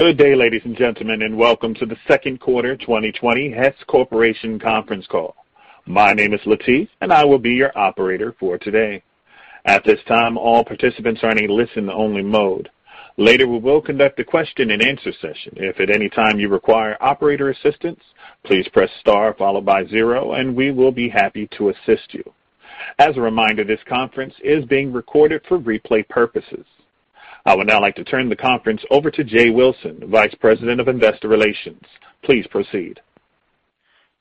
Good day, ladies and gentlemen, and welcome to the second quarter 2020 Hess Corporation conference call. My name is Latif, and I will be your operator for today. At this time, all participants are in listen-only mode. Later, we will conduct a question-and-answer session. If at any time you require operator assistance, please press star followed by zero, and we will be happy to assist you. As a reminder, this conference is being recorded for replay purposes. I would now like to turn the conference over to Jay Wilson, Vice President of Investor Relations. Please proceed.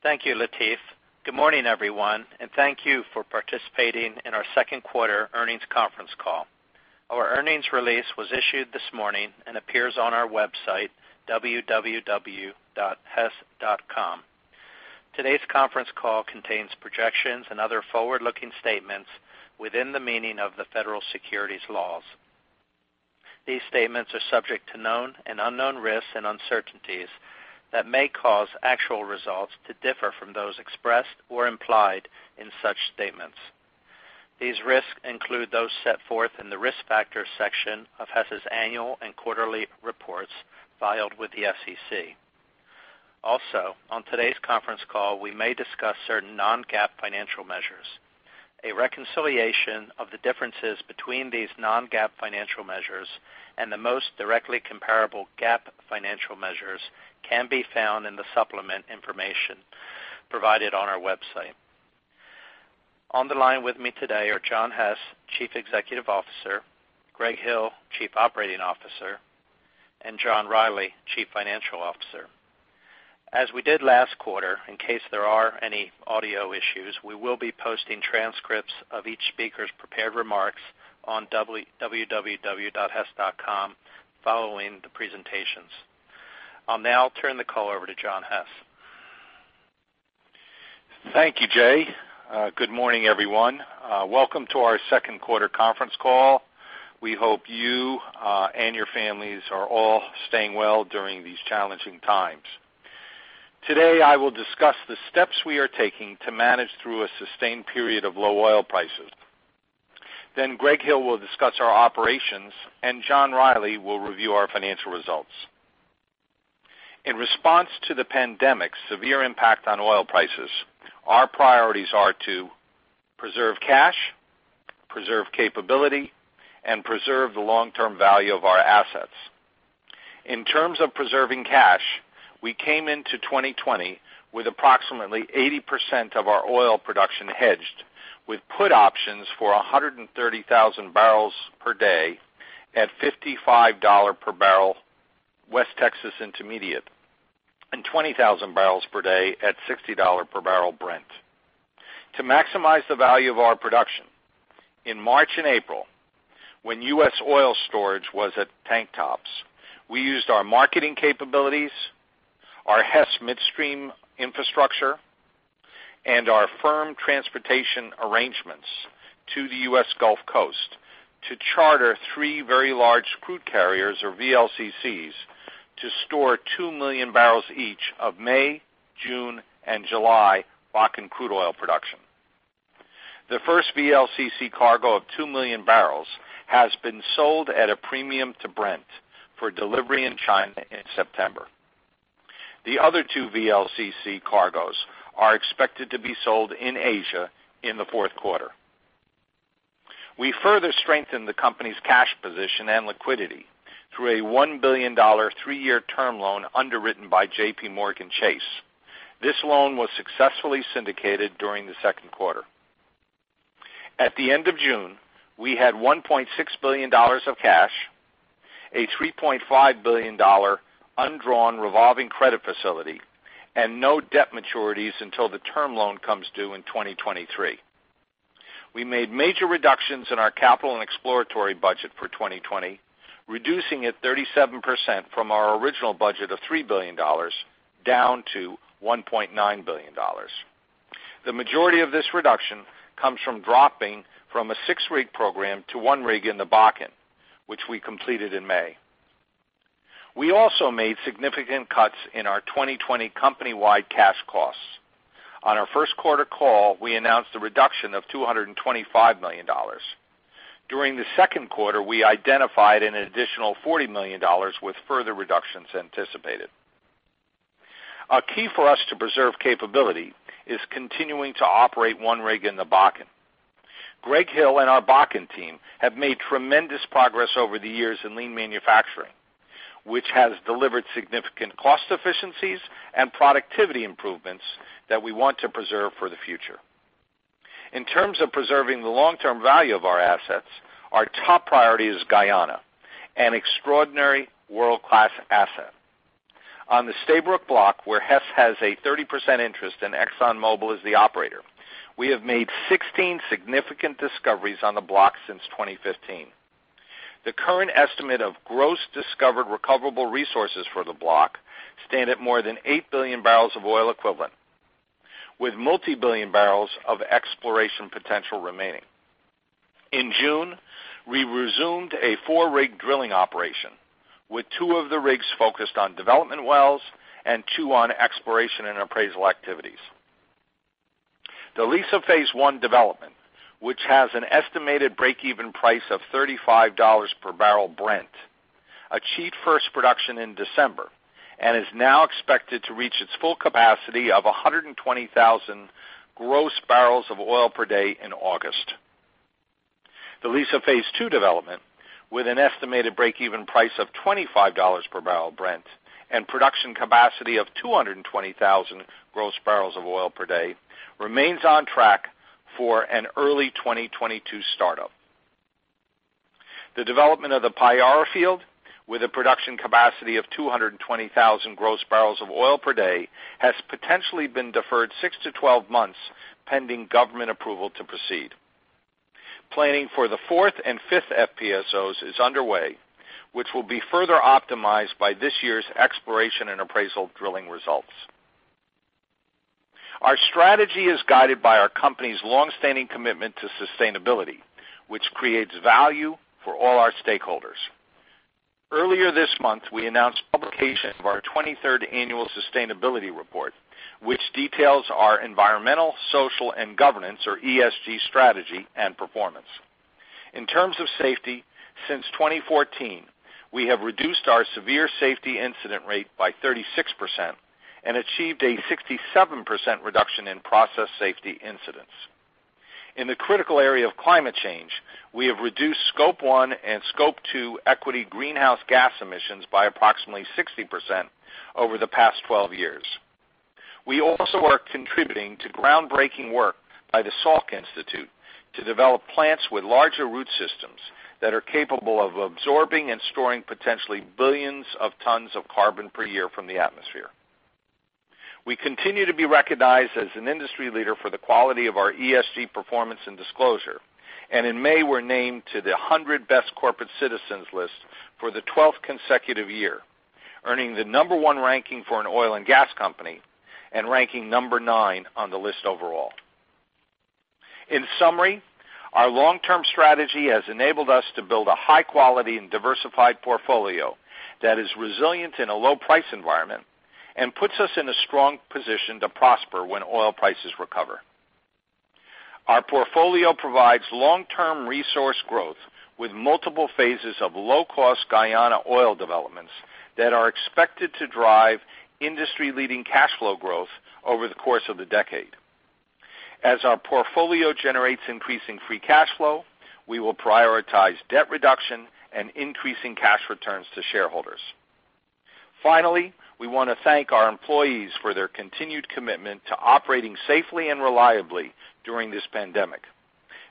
Thank you, Latif. Good morning, everyone, and thank you for participating in our second quarter earnings conference call. Our earnings release was issued this morning and appears on our website, www.hess.com. Today's conference call contains projections and other forward-looking statements within the meaning of the federal securities laws. These statements are subject to known and unknown risks and uncertainties that may cause actual results to differ from those expressed or implied in such statements. These risks include those set forth in the risk factors section of Hess's annual and quarterly reports filed with the SEC. Also, on today's conference call, we may discuss certain non-GAAP financial measures. A reconciliation of the differences between these non-GAAP financial measures and the most directly comparable GAAP financial measures can be found in the supplement information provided on our website. On the line with me today are John Hess, Chief Executive Officer, Greg Hill, Chief Operating Officer, and John Rielly, Chief Financial Officer. As we did last quarter, in case there are any audio issues, we will be posting transcripts of each speaker's prepared remarks on www.hess.com following the presentations. I will now turn the call over to John Hess. Thank you, Jay. Good morning, everyone. Welcome to our second quarter conference call. We hope you and your families are all staying well during these challenging times. Today, I will discuss the steps we are taking to manage through a sustained period of low oil prices. Greg Hill will discuss our operations, and John Rielly will review our financial results. In response to the pandemic's severe impact on oil prices, our priorities are to preserve cash, preserve capability, and preserve the long-term value of our assets. In terms of preserving cash, we came into 2020 with approximately 80% of our oil production hedged, with put options for 130,000 barrels per day at $55 per barrel West Texas Intermediate and 20,000 barrels per day at $60 per barrel Brent. To maximize the value of our production, in March and April, when U.S. oil storage was at tank tops, we used our marketing capabilities, our Hess Midstream infrastructure, and our firm transportation arrangements to the U.S. Gulf Coast to charter three very large crude carriers, or VLCCs, to store 2 million barrels each of May, June, and July Bakken crude oil production. The first VLCC cargo of 2 million barrels has been sold at a premium to Brent for delivery in China in September. The other two VLCC cargos are expected to be sold in Asia in the fourth quarter. We further strengthened the company's cash position and liquidity through a $1 billion three-year term loan underwritten by JPMorgan Chase. This loan was successfully syndicated during the second quarter. At the end of June, we had $1.6 billion of cash, a $3.5 billion undrawn revolving credit facility, and no debt maturities until the term loan comes due in 2023. We made major reductions in our capital and exploratory budget for 2020, reducing it 37% from our original budget of $3 billion down to $1.9 billion. The majority of this reduction comes from dropping from a six-rig program to one rig in the Bakken, which we completed in May. We also made significant cuts in our 2020 company-wide cash costs. On our first quarter call, we announced a reduction of $225 million. During the second quarter, we identified an additional $40 million, with further reductions anticipated. A key for us to preserve capability is continuing to operate one rig in the Bakken. Greg Hill and our Bakken team have made tremendous progress over the years in lean manufacturing, which has delivered significant cost efficiencies and productivity improvements that we want to preserve for the future. In terms of preserving the long-term value of our assets, our top priority is Guyana, an extraordinary world-class asset. On the Stabroek Block, where Hess has a 30% interest and ExxonMobil is the operator, we have made 16 significant discoveries on the block since 2015. The current estimate of gross discovered recoverable resources for the block stand at more than 8 billion barrels of oil equivalent, with multibillion barrels of exploration potential remaining. In June, we resumed a four-rig drilling operation, with two of the rigs focused on development wells and two on exploration and appraisal activities. The Liza Phase 1 development, which has an estimated breakeven price of $35 per barrel Brent, achieved first production in December and is now expected to reach its full capacity of 120,000 gross barrels of oil per day in August. The Liza Phase 2 development, with an estimated breakeven price of $25 per barrel Brent and production capacity of 220,000 gross barrels of oil per day, remains on track for an early 2022 startup. The development of the Payara field, with a production capacity of 220,000 gross barrels of oil per day, has potentially been deferred 6-12 months, pending government approval to proceed. Planning for the fourth and fifth FPSOs is underway, which will be further optimized by this year's exploration and appraisal drilling results. Our strategy is guided by our company's longstanding commitment to sustainability, which creates value for all our stakeholders. Earlier this month, we announced publication of our 23rd annual sustainability report, which details our environmental, social, and governance, or ESG, strategy and performance. In terms of safety, since 2014, we have reduced our severe safety incident rate by 36% and achieved a 67% reduction in process safety incidents. In the critical area of climate change, we have reduced Scope 1 and Scope 2 equity greenhouse gas emissions by approximately 60% over the past 12 years. We also are contributing to groundbreaking work by the Salk Institute to develop plants with larger root systems that are capable of absorbing and storing potentially billions of tons of carbon per year from the atmosphere. We continue to be recognized as an industry leader for the quality of our ESG performance and disclosure, and in May were named to the 100 Best Corporate Citizens list for the 12th consecutive year, earning the number one ranking for an oil and gas company and ranking number nine on the list overall. In summary, our long-term strategy has enabled us to build a high-quality and diversified portfolio that is resilient in a low-price environment and puts us in a strong position to prosper when oil prices recover. Our portfolio provides long-term resource growth with multiple phases of low-cost Guyana oil developments that are expected to drive industry-leading cash flow growth over the course of the decade. As our portfolio generates increasing free cash flow, we will prioritize debt reduction and increasing cash returns to shareholders. We want to thank our employees for their continued commitment to operating safely and reliably during this pandemic.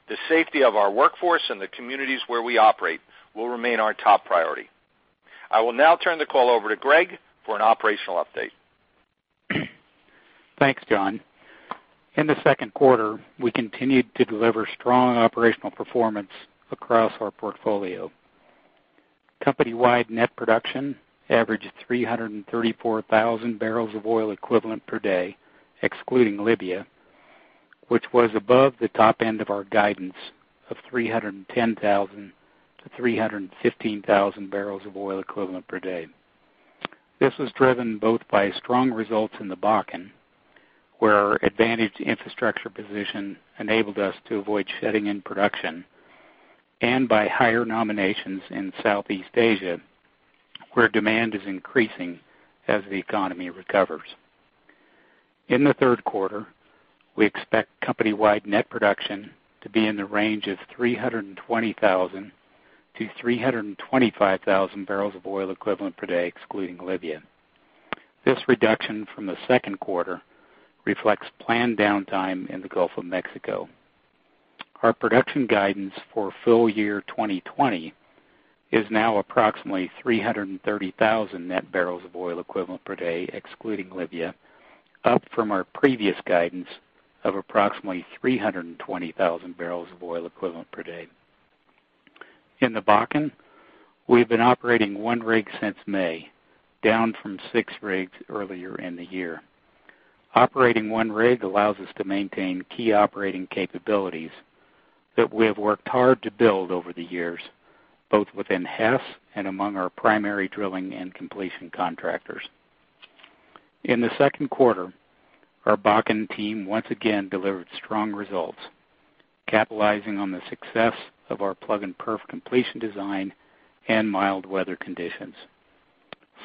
The safety of our workforce and the communities where we operate will remain our top priority. I will now turn the call over to Greg for an operational update. Thanks, John. In the second quarter, we continued to deliver strong operational performance across our portfolio. Company-wide net production averaged 334,000 barrels of oil equivalent per day, excluding Libya, which was above the top end of our guidance of 310,000 to 315,000 barrels of oil equivalent per day. This was driven both by strong results in the Bakken, where our advantaged infrastructure position enabled us to avoid shedding in production, and by higher nominations in Southeast Asia, where demand is increasing as the economy recovers. In the third quarter, we expect company-wide net production to be in the range of 320,000 to 325,000 barrels of oil equivalent per day, excluding Libya. This reduction from the second quarter reflects planned downtime in the Gulf of Mexico. Our production guidance for full year 2020 is now approximately 330,000 net barrels of oil equivalent per day, excluding Libya, up from our previous guidance of approximately 320,000 barrels of oil equivalent per day. In the Bakken, we've been operating one rig since May, down from six rigs earlier in the year. Operating one rig allows us to maintain key operating capabilities that we have worked hard to build over the years, both within Hess and among our primary drilling and completion contractors. In the second quarter, our Bakken team once again delivered strong results, capitalizing on the success of our plug and perf completion design and mild weather conditions.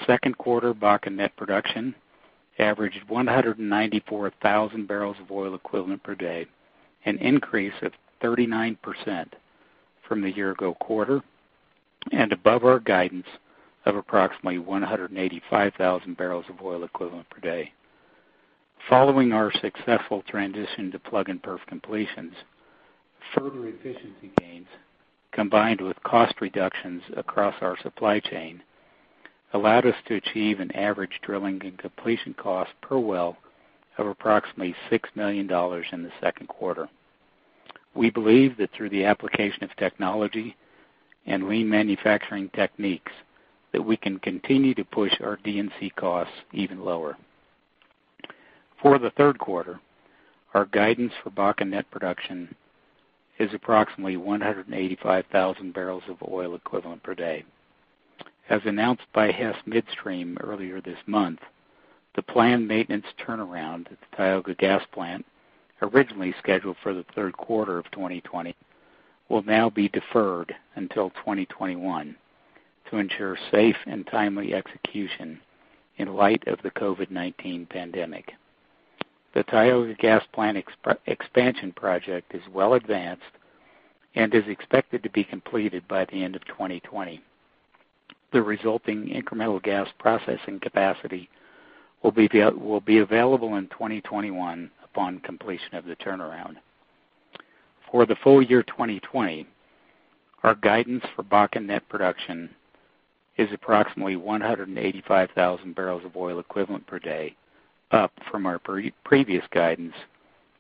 Second quarter Bakken net production averaged 194,000 barrels of oil equivalent per day, an increase of 39% from the year ago quarter, and above our guidance of approximately 185,000 barrels of oil equivalent per day. Following our successful transition to plug and perf completions, further efficiency gains, combined with cost reductions across our supply chain, allowed us to achieve an average drilling and completion cost per well of approximately $6 million in the second quarter. We believe that through the application of technology and lean manufacturing techniques that we can continue to push our D&C costs even lower. For the third quarter, our guidance for Bakken net production is approximately 185,000 barrels of oil equivalent per day. As announced by Hess Midstream earlier this month, the planned maintenance turnaround at the Tioga Gas Plant, originally scheduled for the third quarter of 2020, will now be deferred until 2021 to ensure safe and timely execution in light of the COVID-19 pandemic. The Tioga Gas Plant expansion project is well advanced and is expected to be completed by the end of 2020. The resulting incremental gas processing capacity will be available in 2021 upon completion of the turnaround. For the full year 2020, our guidance for Bakken net production is approximately 185,000 barrels of oil equivalent per day, up from our previous guidance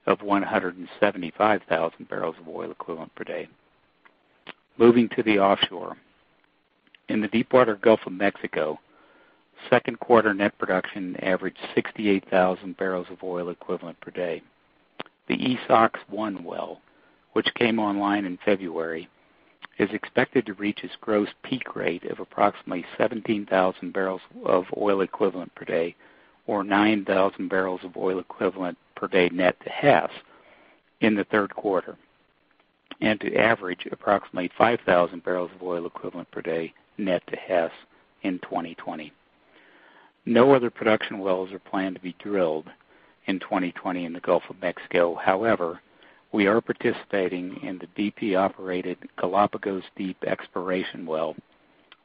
of 175,000 barrels of oil equivalent per day. Moving to the offshore. In the deepwater Gulf of Mexico, second quarter net production averaged 68,000 barrels of oil equivalent per day. The Esox-1 well, which came online in February, is expected to reach its gross peak rate of approximately 17,000 barrels of oil equivalent per day, or 9,000 barrels of oil equivalent per day net to Hess in the third quarter, and to average approximately 5,000 barrels of oil equivalent per day net to Hess in 2020. No other production wells are planned to be drilled in 2020 in the Gulf of Mexico. However, we are participating in the BP-operated Galapagos Deep exploration well,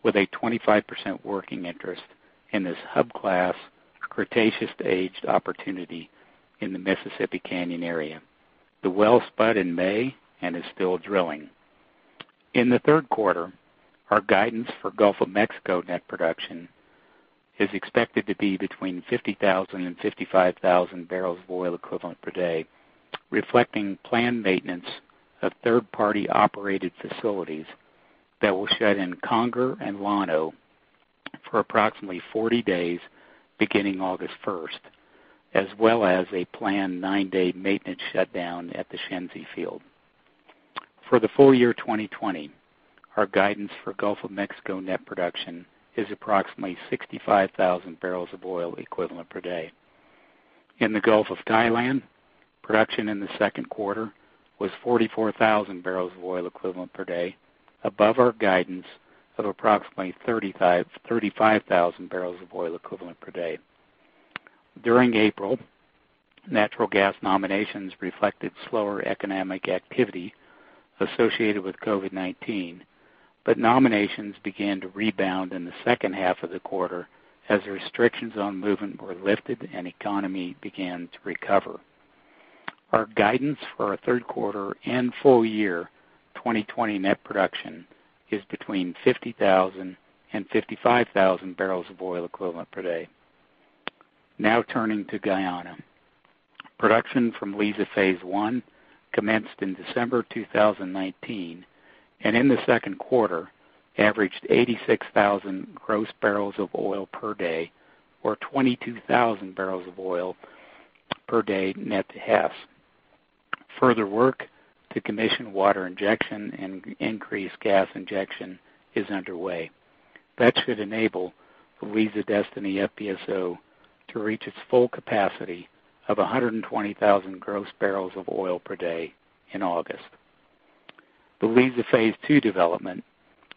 with a 25% working interest in this hub class Cretaceous-aged opportunity in the Mississippi Canyon area. The well spud in May and is still drilling. In the third quarter, our guidance for Gulf of Mexico net production is expected to be between 50,000 and 55,000 barrels of oil equivalent per day, reflecting planned maintenance of third-party operated facilities that will shut in Conger and Llano for approximately 40 days beginning August 1st, as well as a planned nine-day maintenance shutdown at the Shenzi field. For the full year 2020, our guidance for Gulf of Mexico net production is approximately 65,000 barrels of oil equivalent per day. In the Gulf of Thailand, production in the second quarter was 44,000 barrels of oil equivalent per day, above our guidance of approximately 35,000 barrels of oil equivalent per day. During April, natural gas nominations reflected slower economic activity associated with COVID-19, but nominations began to rebound in the second half of the quarter as restrictions on movement were lifted and economy began to recover. Our guidance for our third quarter and full year 2020 net production is between 50,000 and 55,000 barrels of oil equivalent per day. Now turning to Guyana. Production from Liza Phase 1 commenced in December 2019, and in the second quarter, averaged 86,000 gross barrels of oil per day, or 22,000 barrels of oil per day net to Hess. Further work to commission water injection and increase gas injection is underway. That should enable the Liza Destiny FPSO to reach its full capacity of 120,000 gross barrels of oil per day in August. The Liza Phase 2 development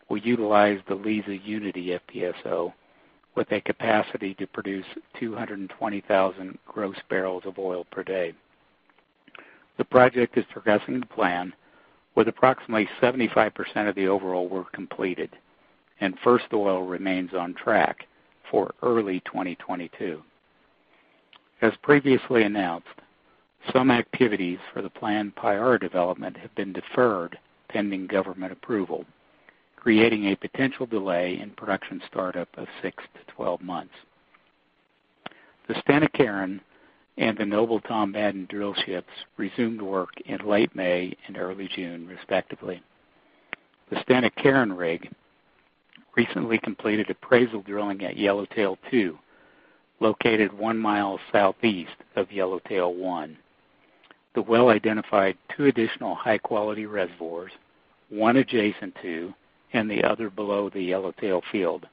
will utilize the Liza Unity FPSO with a capacity to produce 220,000 gross barrels of oil per day. The project is progressing as planned with approximately 75% of the overall work completed, and first oil remains on track for early 2022. As previously announced, some activities for the planned Payara development have been deferred pending government approval, creating a potential delay in production start-up of 6 to 12 months. The Stena Carron and the Noble Tom Madden drill ships resumed work in late May and early June respectively. The Stena Carron rig recently completed appraisal drilling at Yellowtail-2, located one mile southeast of Yellowtail-1. The well identified two additional high-quality reservoirs, one adjacent to and the other below the Yellowtail field,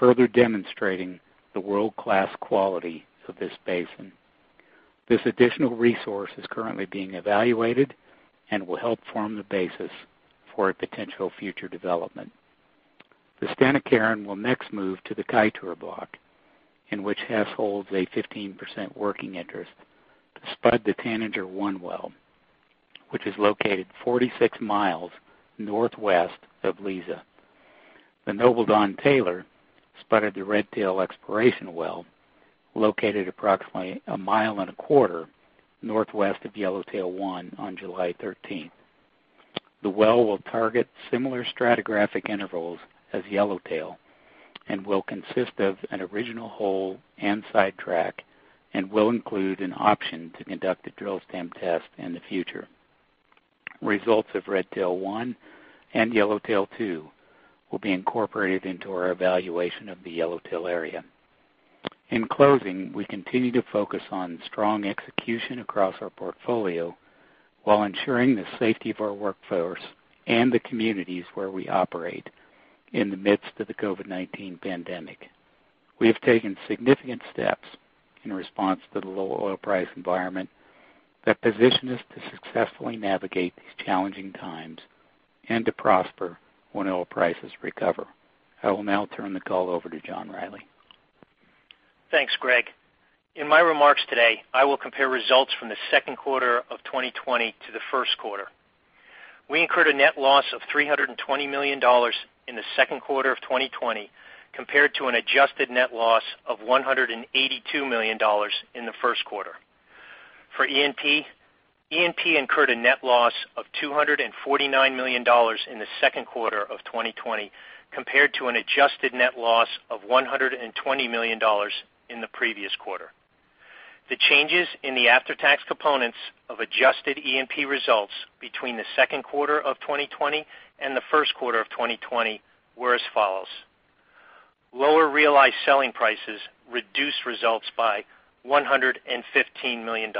further demonstrating the world-class quality of this basin. This additional resource is currently being evaluated and will help form the basis for a potential future development. The Stena Carron will next move to the Kaieteur Block, in which Hess holds a 15% working interest, to spud the Tanager-1 well, which is located 46 miles northwest of Liza. The Noble Don Taylor spudded the Redtail exploration well, located approximately a mile and a quarter northwest of Yellowtail-1 on July 13th. The well will target similar stratigraphic intervals as Yellowtail and will consist of an original hole and sidetrack and will include an option to conduct a drill stem test in the future. Results of Redtail-1 and Yellowtail-2 will be incorporated into our evaluation of the Yellowtail area. In closing, we continue to focus on strong execution across our portfolio while ensuring the safety of our workforce and the communities where we operate in the midst of the COVID-19 pandemic. We have taken significant steps in response to the low oil price environment that position us to successfully navigate these challenging times and to prosper when oil prices recover. I will now turn the call over to John Rielly. Thanks, Greg. In my remarks today, I will compare results from the second quarter of 2020 to the first quarter. We incurred a net loss of $320 million in the second quarter of 2020 compared to an adjusted net loss of $182 million in the first quarter. For E&P, E&P incurred a net loss of $249 million in the second quarter of 2020, compared to an adjusted net loss of $120 million in the previous quarter. The changes in the after-tax components of adjusted E&P results between the second quarter of 2020 and the first quarter of 2020 were as follows. Lower realized selling prices reduced results by $115 million.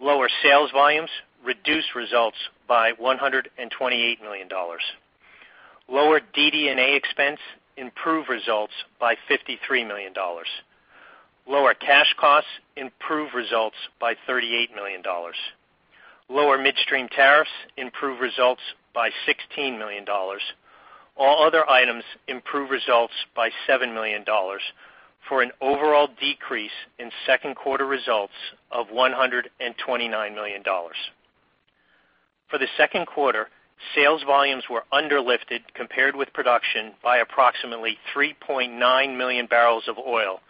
Lower sales volumes reduced results by $128 million. Lower DD&A expense improved results by $53 million. Lower cash costs improved results by $38 million. Lower midstream tariffs improved results by $16 million. All other items improved results by $7 million for an overall decrease in second quarter results of $129 million. For the second quarter, sales volumes were under-lifted compared with production by approximately 3.9 million barrels of oil.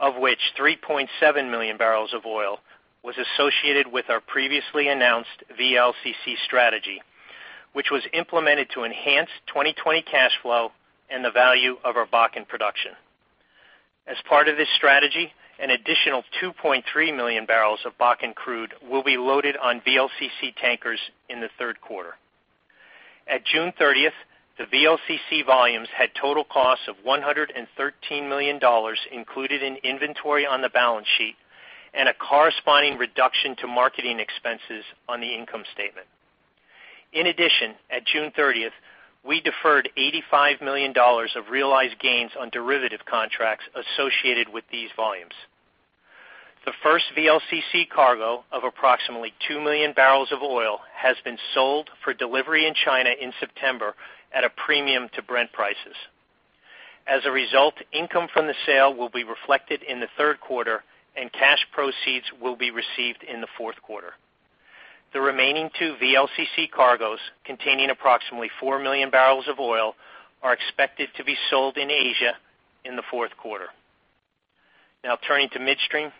Of which 3.7 million barrels of oil was associated with our previously announced VLCC strategy, which was implemented to enhance 2020 cash flow and the value of our Bakken production. As part of this strategy, an additional 2.3 million barrels of Bakken crude will be loaded on VLCC tankers in the third quarter. At June 30th, the VLCC volumes had total costs of $113 million included in inventory on the balance sheet and a corresponding reduction to marketing expenses on the income statement. In addition, at June 30th, we deferred $85 million of realized gains on derivative contracts associated with these volumes. The first VLCC cargo of approximately two million barrels of oil has been sold for delivery in China in September at a premium to Brent prices. As a result, income from the sale will be reflected in the third quarter, and cash proceeds will be received in the fourth quarter. The remaining two VLCC cargoes, containing approximately four million barrels of oil, are expected to be sold in Asia in the fourth quarter. Now turning to midstream.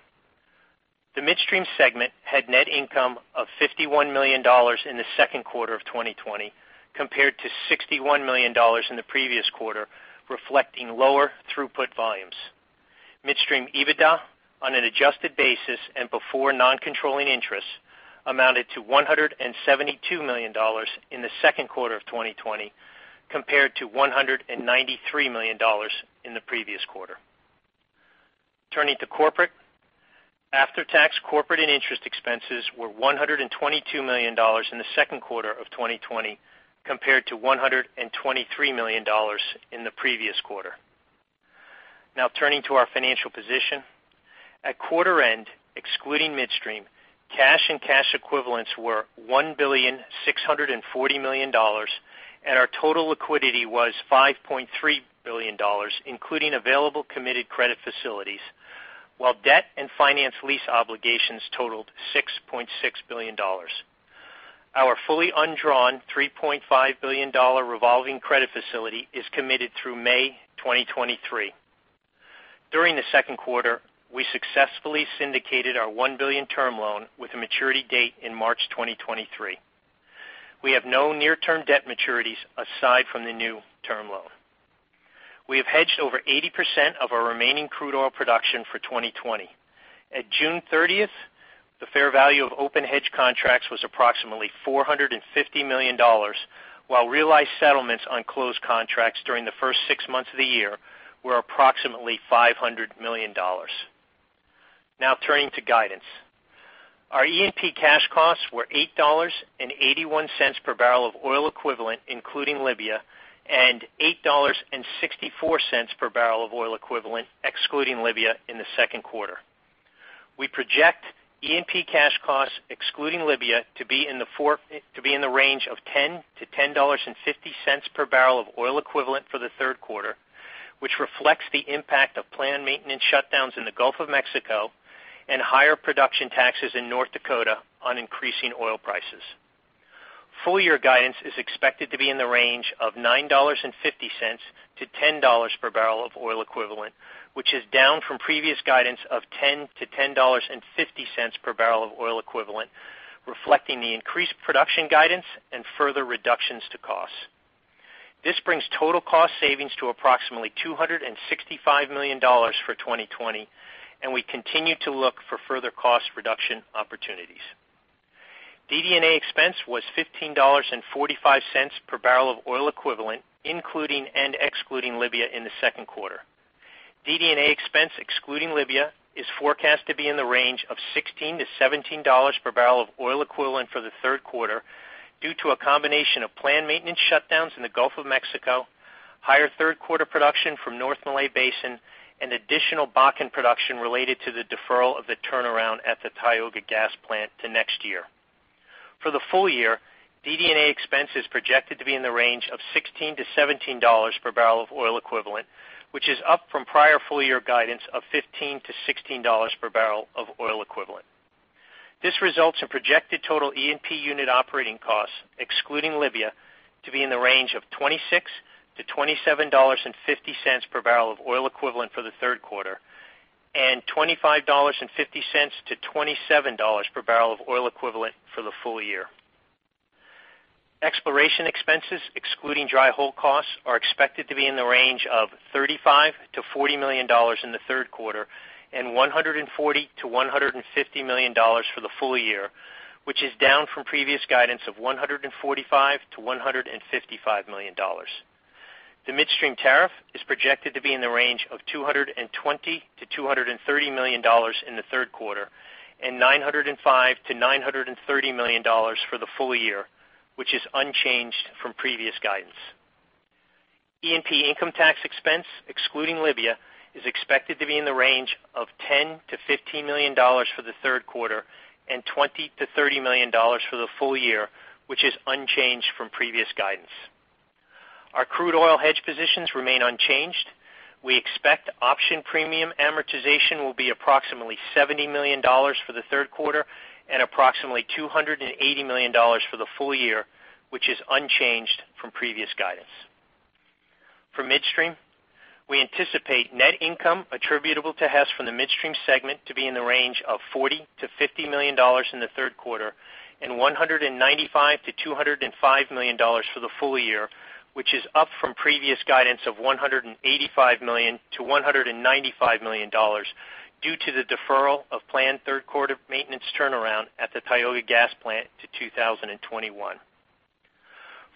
The midstream segment had net income of $51 million in the second quarter of 2020 compared to $61 million in the previous quarter, reflecting lower throughput volumes. Midstream EBITDA, on an adjusted basis and before non-controlling interests, amounted to $172 million in the second quarter of 2020 compared to $193 million in the previous quarter. Turning to corporate. After-tax corporate and interest expenses were $122 million in the second quarter of 2020 compared to $123 million in the previous quarter. Now turning to our financial position. At quarter end, excluding midstream, cash and cash equivalents were $1.640 billion, and our total liquidity was $5.3 billion, including available committed credit facilities, while debt and finance lease obligations totaled $6.6 billion. Our fully undrawn $3.5 billion revolving credit facility is committed through May 2023. During the second quarter, we successfully syndicated our $1 billion term loan with a maturity date in March 2023. We have no near-term debt maturities aside from the new term loan. We have hedged over 80% of our remaining crude oil production for 2020. At June 30th, the fair value of open hedge contracts was approximately $450 million, while realized settlements on closed contracts during the first six months of the year were approximately $500 million. Now turning to guidance. Our E&P cash costs were $8.81 per barrel of oil equivalent, including Libya, and $8.64 per barrel of oil equivalent, excluding Libya in the second quarter. We project E&P cash costs, excluding Libya, to be in the range of $10-$10.50 per barrel of oil equivalent for the third quarter, which reflects the impact of planned maintenance shutdowns in the Gulf of Mexico and higher production taxes in North Dakota on increasing oil prices. Full year guidance is expected to be in the range of $9.50-$10 per barrel of oil equivalent, which is down from previous guidance of $10-$10.50 per barrel of oil equivalent, reflecting the increased production guidance and further reductions to costs. This brings total cost savings to approximately $265 million for 2020, and we continue to look for further cost reduction opportunities. DD&A expense was $15.45 per barrel of oil equivalent, including and excluding Libya in the second quarter. DD&A expense excluding Libya is forecast to be in the range of $16-$17 per barrel of oil equivalent for the third quarter due to a combination of planned maintenance shutdowns in the Gulf of Mexico, higher third-quarter production from North Malay Basin, and additional Bakken production related to the deferral of the turnaround at the Tioga Gas Plant to next year. For the full year, DD&A expense is projected to be in the range of $16-$17 per barrel of oil equivalent, which is up from prior full-year guidance of $15-$16 per barrel of oil equivalent. This results in projected total E&P unit operating costs, excluding Libya, to be in the range of $26-$27.50 per barrel of oil equivalent for the third quarter, and $25.50-$27 per barrel of oil equivalent for the full year. Exploration expenses, excluding dry hole costs, are expected to be in the range of $35 million-$40 million in the third quarter and $140 million-$150 million for the full year, which is down from previous guidance of $145 million-$155 million. The midstream tariff is projected to be in the range of $220 million-$230 million in the third quarter and $905 million-$930 million for the full year, which is unchanged from previous guidance. E&P income tax expense, excluding Libya, is expected to be in the range of $10 million-$15 million for the third quarter and $20 million-$30 million for the full year, which is unchanged from previous guidance. Our crude oil hedge positions remain unchanged. We expect option premium amortization will be approximately $70 million for the third quarter and approximately $280 million for the full year, which is unchanged from previous guidance. For midstream, we anticipate net income attributable to Hess from the midstream segment to be in the range of $40 million-$50 million in the third quarter and $195 million-$205 million for the full year, which is up from previous guidance of $185 million-$195 million due to the deferral of planned third-quarter maintenance turnaround at the Tioga Gas Plant to 2021.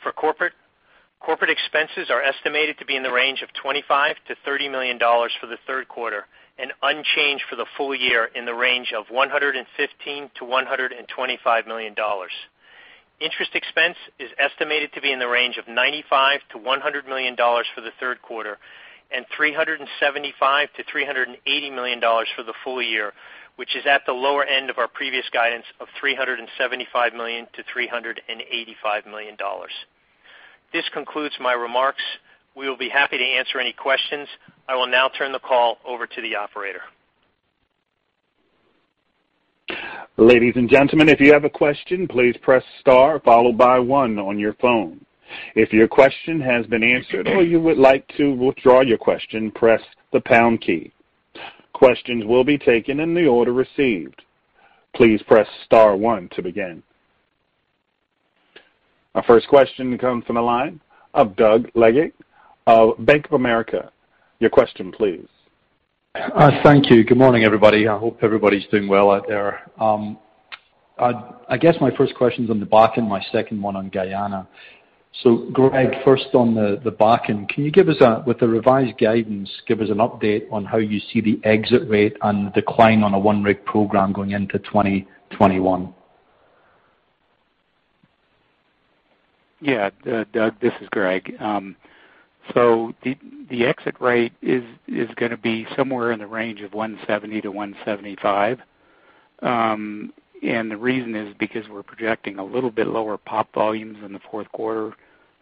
For corporate expenses are estimated to be in the range of $25 million-$30 million for the third quarter and unchanged for the full year in the range of $115 million-$125 million. Interest expense is estimated to be in the range of $95 million-$100 million for the third quarter and $375 million-$380 million for the full year, which is at the lower end of our previous guidance of $375 million-$385 million. This concludes my remarks. We will be happy to answer any questions. I will now turn the call over to the operator. Ladies and gentlemen, if you have a question, please press star followed by one on your phone. If your question has been answered or you would like to withdraw your question, press the pound key. Questions will be taken in the order received. Please press star one to begin. Our first question comes from the line of Doug Leggate of Bank of America. Your question please. Thank you. Good morning, everybody. I hope everybody's doing well out there. I guess my first question's on the Bakken, my second one on Guyana. Greg, first on the Bakken, with the revised guidance, can you give us an update on how you see the exit rate and decline on a one-rig program going into 2021? Yeah. Doug, this is Greg. The exit rate is going to be somewhere in the range of 170-175. The reason is because we're projecting a little bit lower pop volumes in the fourth quarter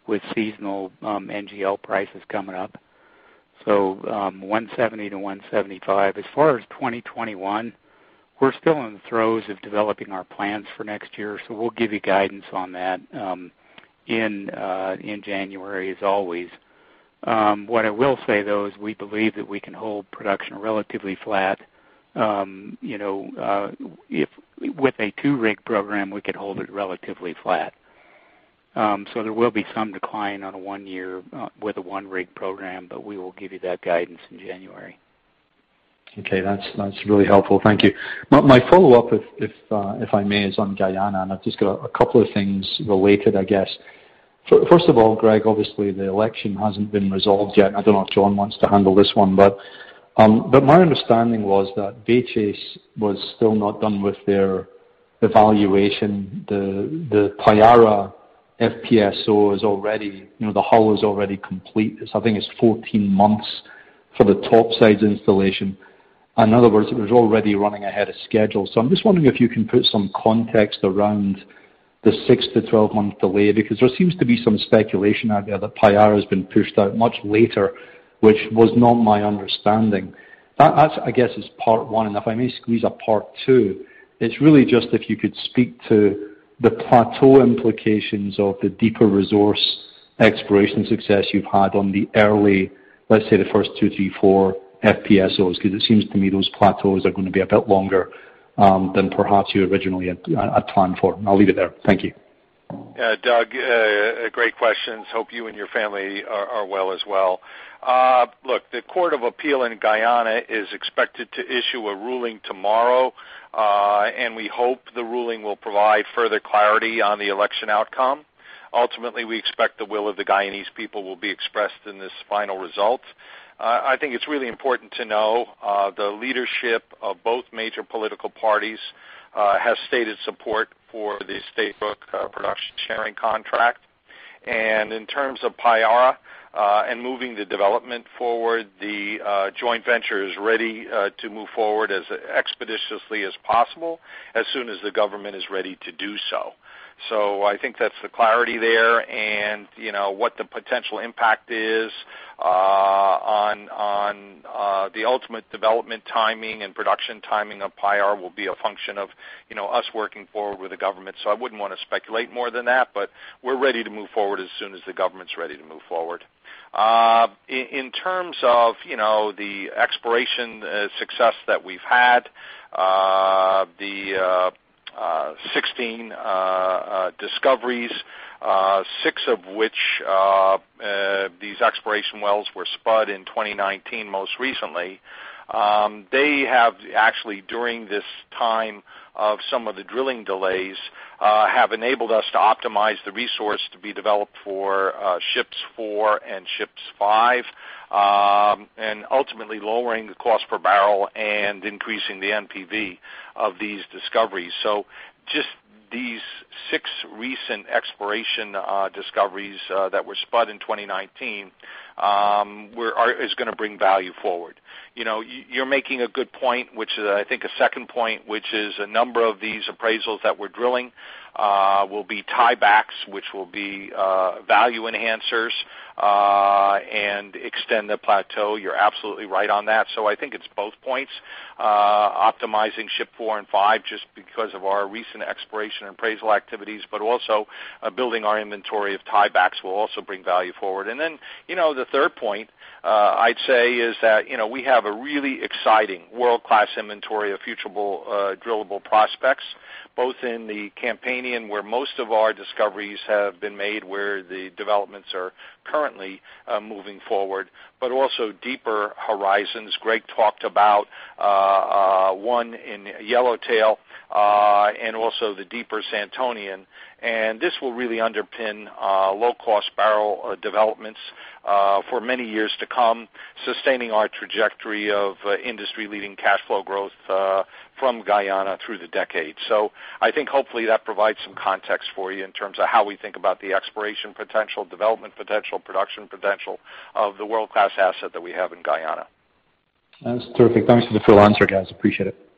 with seasonal NGL prices coming up. 170-175. As far as 2021, we're still in the throes of developing our plans for next year, so we'll give you guidance on that in January as always. What I will say though is we believe that we can hold production relatively flat. With a two-rig program, we could hold it relatively flat. There will be some decline with a one-rig program, but we will give you that guidance in January. Okay. That's really helpful. Thank you. My follow-up, if I may, is on Guyana. I've just got a couple of things related, I guess. First of all, Greg, obviously the election hasn't been resolved yet. I don't know if John wants to handle this one. My understanding was that Bechtel was still not done with their evaluation. The Payara FPSO, the hull is already complete. I think it's 14 months for the topsides installation. In other words, it was already running ahead of schedule. I'm just wondering if you can put some context around the 6-12 month delay, because there seems to be some speculation out there that Payara has been pushed out much later, which was not my understanding. That, I guess, is part one. If I may squeeze a part two, it's really just if you could speak to the plateau implications of the deeper resource exploration success you've had on the early, let's say the first two, three, FPSOs, because it seems to me those plateaus are going to be a bit longer than perhaps you originally had planned for. I'll leave it there. Thank you. Doug, great questions. Hope you and your family are well as well. Look, the Court of Appeal in Guyana is expected to issue a ruling tomorrow, and we hope the ruling will provide further clarity on the election outcome. Ultimately, we expect the will of the Guyanese people will be expressed in this final result. I think it's really important to know the leadership of both major political parties has stated support for the Stabroek Block Production Sharing Agreement. In terms of Payara, and moving the development forward, the joint venture is ready to move forward as expeditiously as possible, as soon as the government is ready to do so. I think that's the clarity there, and what the potential impact is on the ultimate development timing and production timing of Payara will be a function of us working forward with the government. I wouldn't want to speculate more than that, but we're ready to move forward as soon as the government's ready to move forward. In terms of the exploration success that we've had, the 16 discoveries, six of which these exploration wells were spud in 2019 most recently. They have actually, during this time of some of the drilling delays, have enabled us to optimize the resource to be developed for Ships four and Ships five, and ultimately lowering the cost per barrel and increasing the NPV of these discoveries. Just these six recent exploration discoveries that were spud in 2019 is going to bring value forward. You're making a good point, which I think a second point, which is a number of these appraisals that we're drilling will be tiebacks, which will be value enhancers, and extend the plateau. You're absolutely right on that. I think it's both points, optimizing Ship four and five just because of our recent exploration and appraisal activities, but also building our inventory of tiebacks will also bring value forward. The third point I'd say is that we have a really exciting world-class inventory of future drillable prospects, both in the Campanian, where most of our discoveries have been made, where the developments are currently moving forward, but also deeper horizons. Greg talked about one in Yellowtail, and also the deeper Santonian, and this will really underpin low-cost barrel developments for many years to come, sustaining our trajectory of industry-leading cash flow growth from Guyana through the decade. I think hopefully that provides some context for you in terms of how we think about the exploration potential, development potential, production potential of the world-class asset that we have in Guyana. That's terrific. Thanks for the full answer, guys. Appreciate it.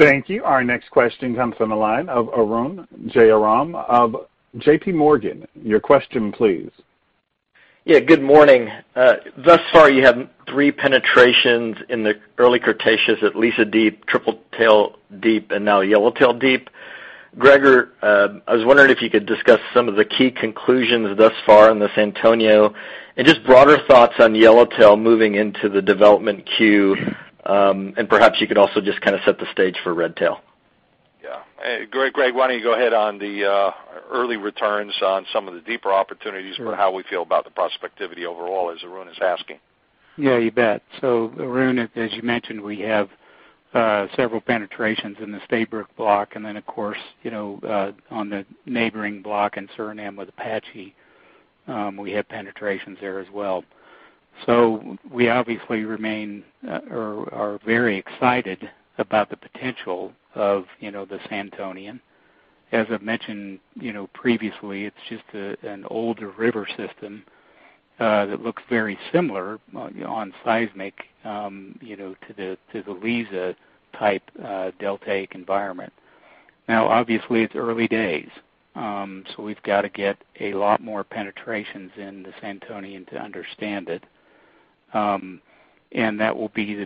Thank you. Our next question comes from the line of Arun Jayaram of JPMorgan. Your question, please. Yeah, good morning. Thus far, you have three penetrations in the early Cretaceous at Liza Deep, Tripletail Deep, and now Yellowtail Deep. Greg, I was wondering if you could discuss some of the key conclusions thus far in the Santonian, and just broader thoughts on Yellowtail moving into the development queue. Perhaps you could also just set the stage for Redtail. Greg, why don't you go ahead on the early returns on some of the deeper opportunities for how we feel about the prospectivity overall as Arun is asking. Yeah, you bet. Arun, as you mentioned, we have several penetrations in the Stabroek Block, and then, of course, on the neighboring block in Suriname with Apache, we have penetrations there as well. We obviously are very excited about the potential of the Santonian. As I've mentioned previously, it's just an older river system that looks very similar on seismic to the Liza type deltaic environment. Obviously, it's early days, so we've got to get a lot more penetrations in the Santonian to understand it. That will be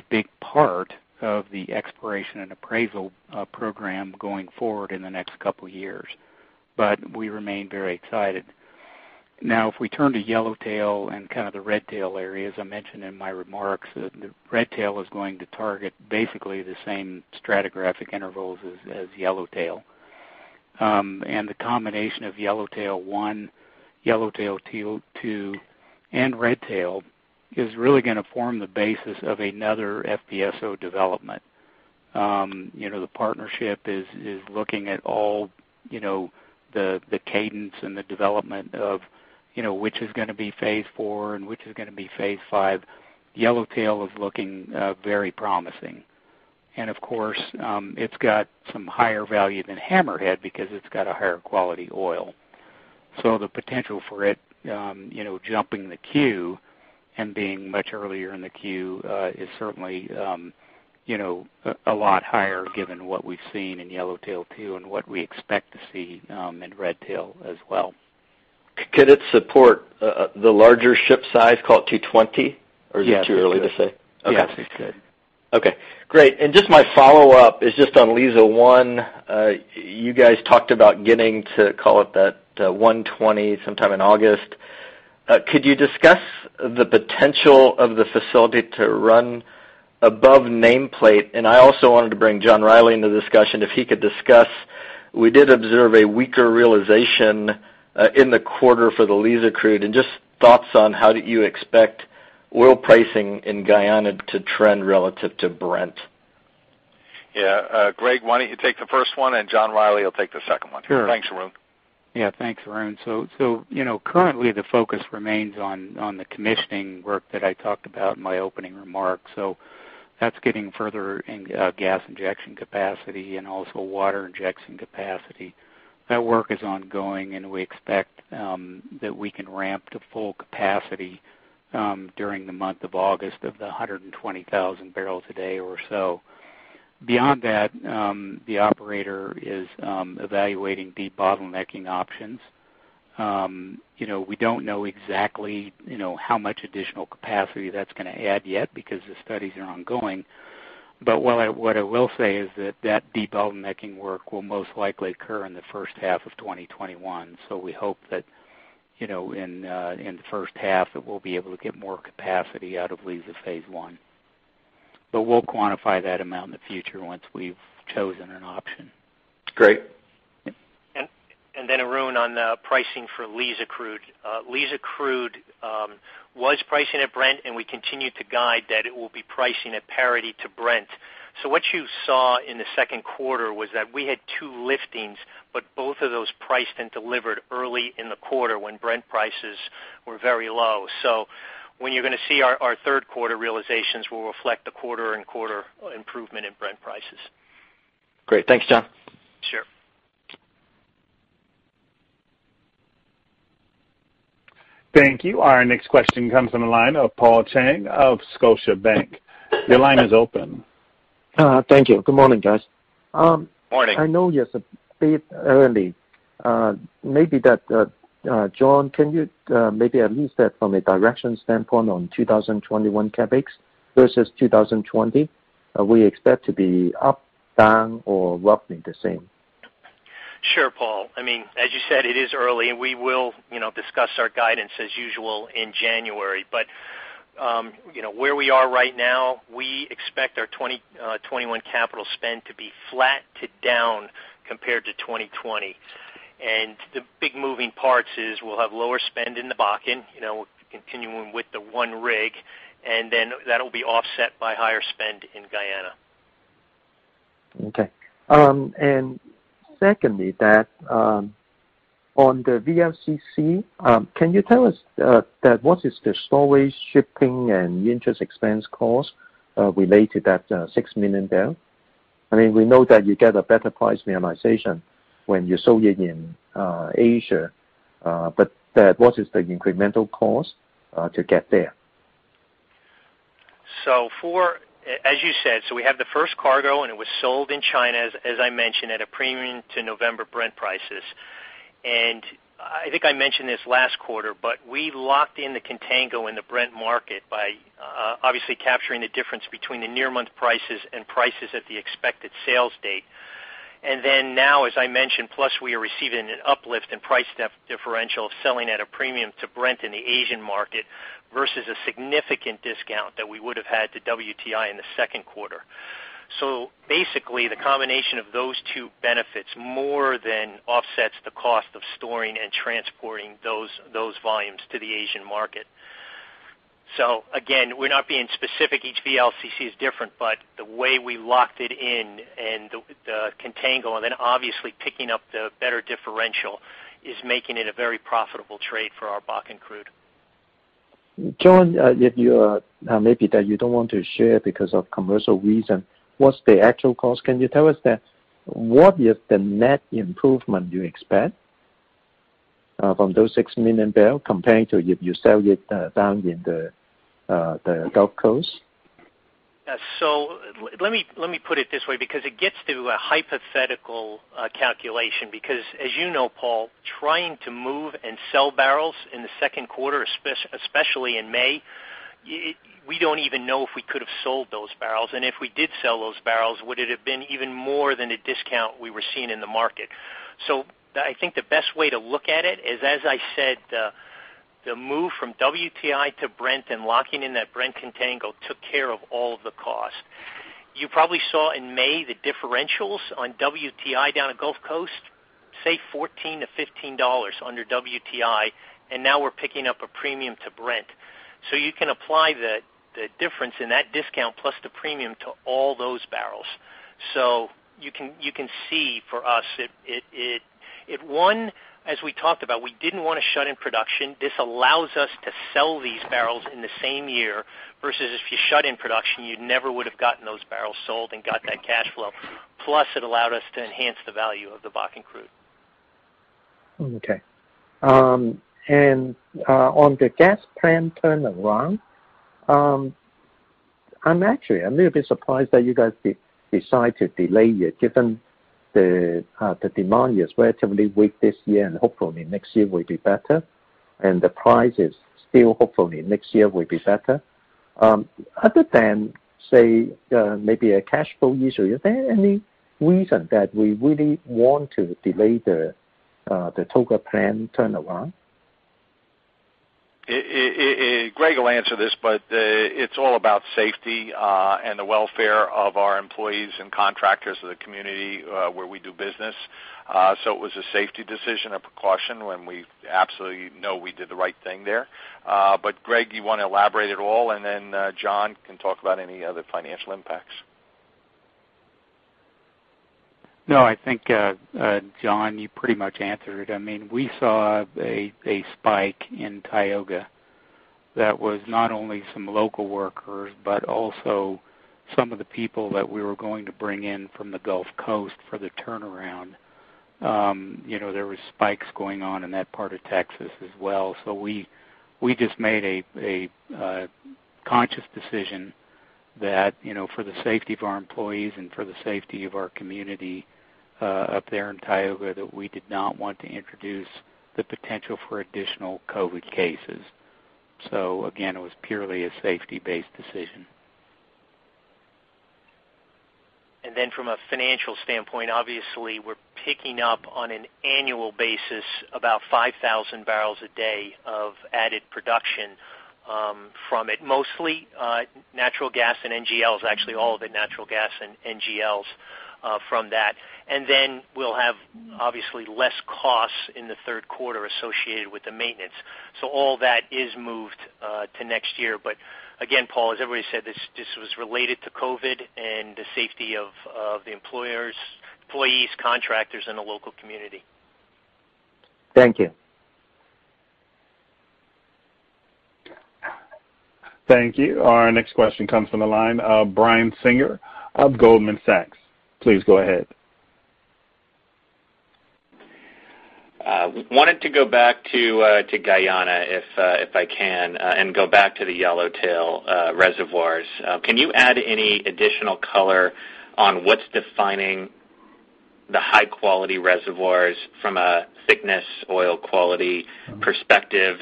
a big part of the exploration and appraisal program going forward in the next couple of years. We remain very excited. If we turn to Yellowtail and the Redtail areas, I mentioned in my remarks that Redtail is going to target basically the same stratigraphic intervals as Yellowtail. The combination of Yellowtail 2, Yellowtail 2, and Redtail is really going to form the basis of another FPSO development. The partnership is looking at all the cadence and the development of which is going to be phase 4 and which is going to be phase 5. Yellowtail is looking very promising. Of course, it's got some higher value than Hammerhead because it's got a higher quality oil. So the potential for it jumping the queue and being much earlier in the queue is certainly a lot higher given what we've seen in Yellowtail 2, and what we expect to see in Redtail as well. Could it support the larger ship size, call it 220? Is it too early to say? Yes, it could. Okay, great. Just my follow-up is just on Liza 1. You guys talked about getting to call it that 120 sometime in August. Could you discuss the potential of the facility to run above nameplate? I also wanted to bring John Rielly into the discussion, if he could discuss. We did observe a weaker realization in the quarter for the Liza crude, and just thoughts on how do you expect oil pricing in Guyana to trend relative to Brent? Yeah. Greg, why don't you take the first one, and John Rielly will take the second one. Sure. Thanks, Arun. Yeah. Thanks, Arun. Currently the focus remains on the commissioning work that I talked about in my opening remarks. That's getting further gas injection capacity and also water injection capacity. That work is ongoing, and we expect that we can ramp to full capacity during the month of August of the 120,000 barrels a day or so. Beyond that, the operator is evaluating deep bottlenecking options. We don't know exactly how much additional capacity that's going to add yet because the studies are ongoing. What I will say is that that deep bottlenecking work will most likely occur in the first half of 2021. We hope that, in the first half, that we'll be able to get more capacity out of Liza Phase 1. We'll quantify that amount in the future once we've chosen an option. Greg? Arun, on the pricing for Liza crude. Liza crude was pricing at Brent, and we continue to guide that it will be pricing at parity to Brent. What you saw in the second quarter was that we had two liftings, but both of those priced and delivered early in the quarter when Brent prices were very low. When you're going to see our third quarter realizations will reflect the quarter-on-quarter improvement in Brent prices. Great. Thanks, John. Sure. Thank you. Our next question comes from the line of Paul Cheng of Scotiabank. Your line is open. Thank you. Good morning, guys. Morning. I know it's a bit early. John, can you maybe at least from a direction standpoint on 2021 CapEx versus 2020, we expect to be up, down, or roughly the same? Sure, Paul. As you said, it is early, and we will discuss our guidance as usual in January. Where we are right now, we expect our 2021 capital spend to be flat to down compared to 2020. The big moving parts is we'll have lower spend in the Bakken, continuing with the one rig, and then that'll be offset by higher spend in Guyana. Okay. Secondly, that on the VLCC, can you tell us that what is the storage, shipping, and interest expense cost related that six million barrel? We know that you get a better price realization when you sold it in Asia. What is the incremental cost to get there? As you said, we have the first cargo, and it was sold in China, as I mentioned, at a premium to November Brent prices. I think I mentioned this last quarter, but we locked in the contango in the Brent market by obviously capturing the difference between the near-month prices and prices at the expected sales date. Now, as I mentioned, plus we are receiving an uplift in price differential of selling at a premium to Brent in the Asian market versus a significant discount that we would have had to WTI in the second quarter. Basically, the combination of those two benefits more than offsets the cost of storing and transporting those volumes to the Asian market. Again, we're not being specific. Each VLCC is different, but the way we locked it in and the contango, and then obviously picking up the better differential is making it a very profitable trade for our Bakken crude. John, maybe that you don't want to share because of commercial reason. What's the actual cost? Can you tell us that? What is the net improvement you expect from those 6 million barrel comparing to if you sell it down in the Gulf Coast? Let me put it this way, because it gets to a hypothetical calculation, because as you know, Paul, trying to move and sell barrels in the second quarter, especially in May, we don't even know if we could have sold those barrels. If we did sell those barrels, would it have been even more than a discount we were seeing in the market? I think the best way to look at it is, as I said, the move from WTI to Brent and locking in that Brent contango took care of all of the costs. You probably saw in May the differentials on WTI down at Gulf Coast, say $14-$15 under WTI, and now we're picking up a premium to Brent. You can apply the difference in that discount plus the premium to all those barrels. You can see for us, it won, as we talked about, we didn't want to shut in production. This allows us to sell these barrels in the same year versus if you shut in production, you never would have gotten those barrels sold and got that cash flow. Plus, it allowed us to enhance the value of the Bakken crude. Okay. On the gas plant turnaround, I'm actually a little bit surprised that you guys decided to delay it given the demand is relatively weak this year, and hopefully next year will be better, and the price is still hopefully next year will be better. Other than, say, maybe a cash flow issue, is there any reason that we really want to delay the Tioga plant turnaround? Greg will answer this. It's all about safety and the welfare of our employees and contractors of the community where we do business. It was a safety decision, a precaution, and we absolutely know we did the right thing there. Greg, you want to elaborate at all, and then John can talk about any other financial impacts. I think, John, you pretty much answered it. We saw a spike in Tioga that was not only some local workers, but also some of the people that we were going to bring in from the Gulf Coast for the turnaround. There were spikes going on in that part of Texas as well. We just made a conscious decision that for the safety of our employees and for the safety of our community up there in Tioga, that we did not want to introduce the potential for additional COVID cases. Again, it was purely a safety-based decision. From a financial standpoint, obviously, we're picking up on an annual basis about 5,000 barrels a day of added production from it. Mostly natural gas and NGLs, actually, all of it natural gas and NGLs from that. We'll have, obviously, less costs in the third quarter associated with the maintenance. All that is moved to next year. Again, Paul, as everybody said, this was related to COVID and the safety of the employees, contractors, and the local community. Thank you. Thank you. Our next question comes from the line of Brian Singer of Goldman Sachs. Please go ahead. Wanted to go back to Guyana, if I can, and go back to the Yellowtail reservoirs. Can you add any additional color on what's defining the high-quality reservoirs from a thickness oil quality perspective?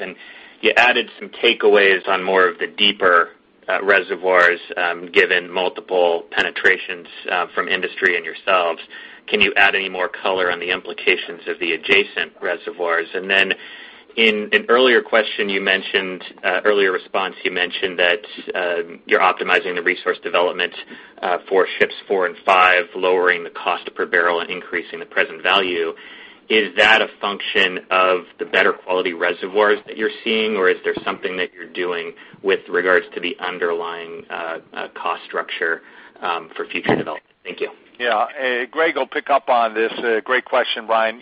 You added some takeaways on more of the deeper reservoirs, given multiple penetrations from industry and yourselves. Can you add any more color on the implications of the adjacent reservoirs? In an earlier response, you mentioned that you're optimizing the resource development for ships four and five, lowering the cost per barrel and increasing the present value. Is that a function of the better quality reservoirs that you're seeing, or is there something that you're doing with regards to the underlying cost structure for future development? Thank you. Yeah. Greg will pick up on this. Great question, Brian.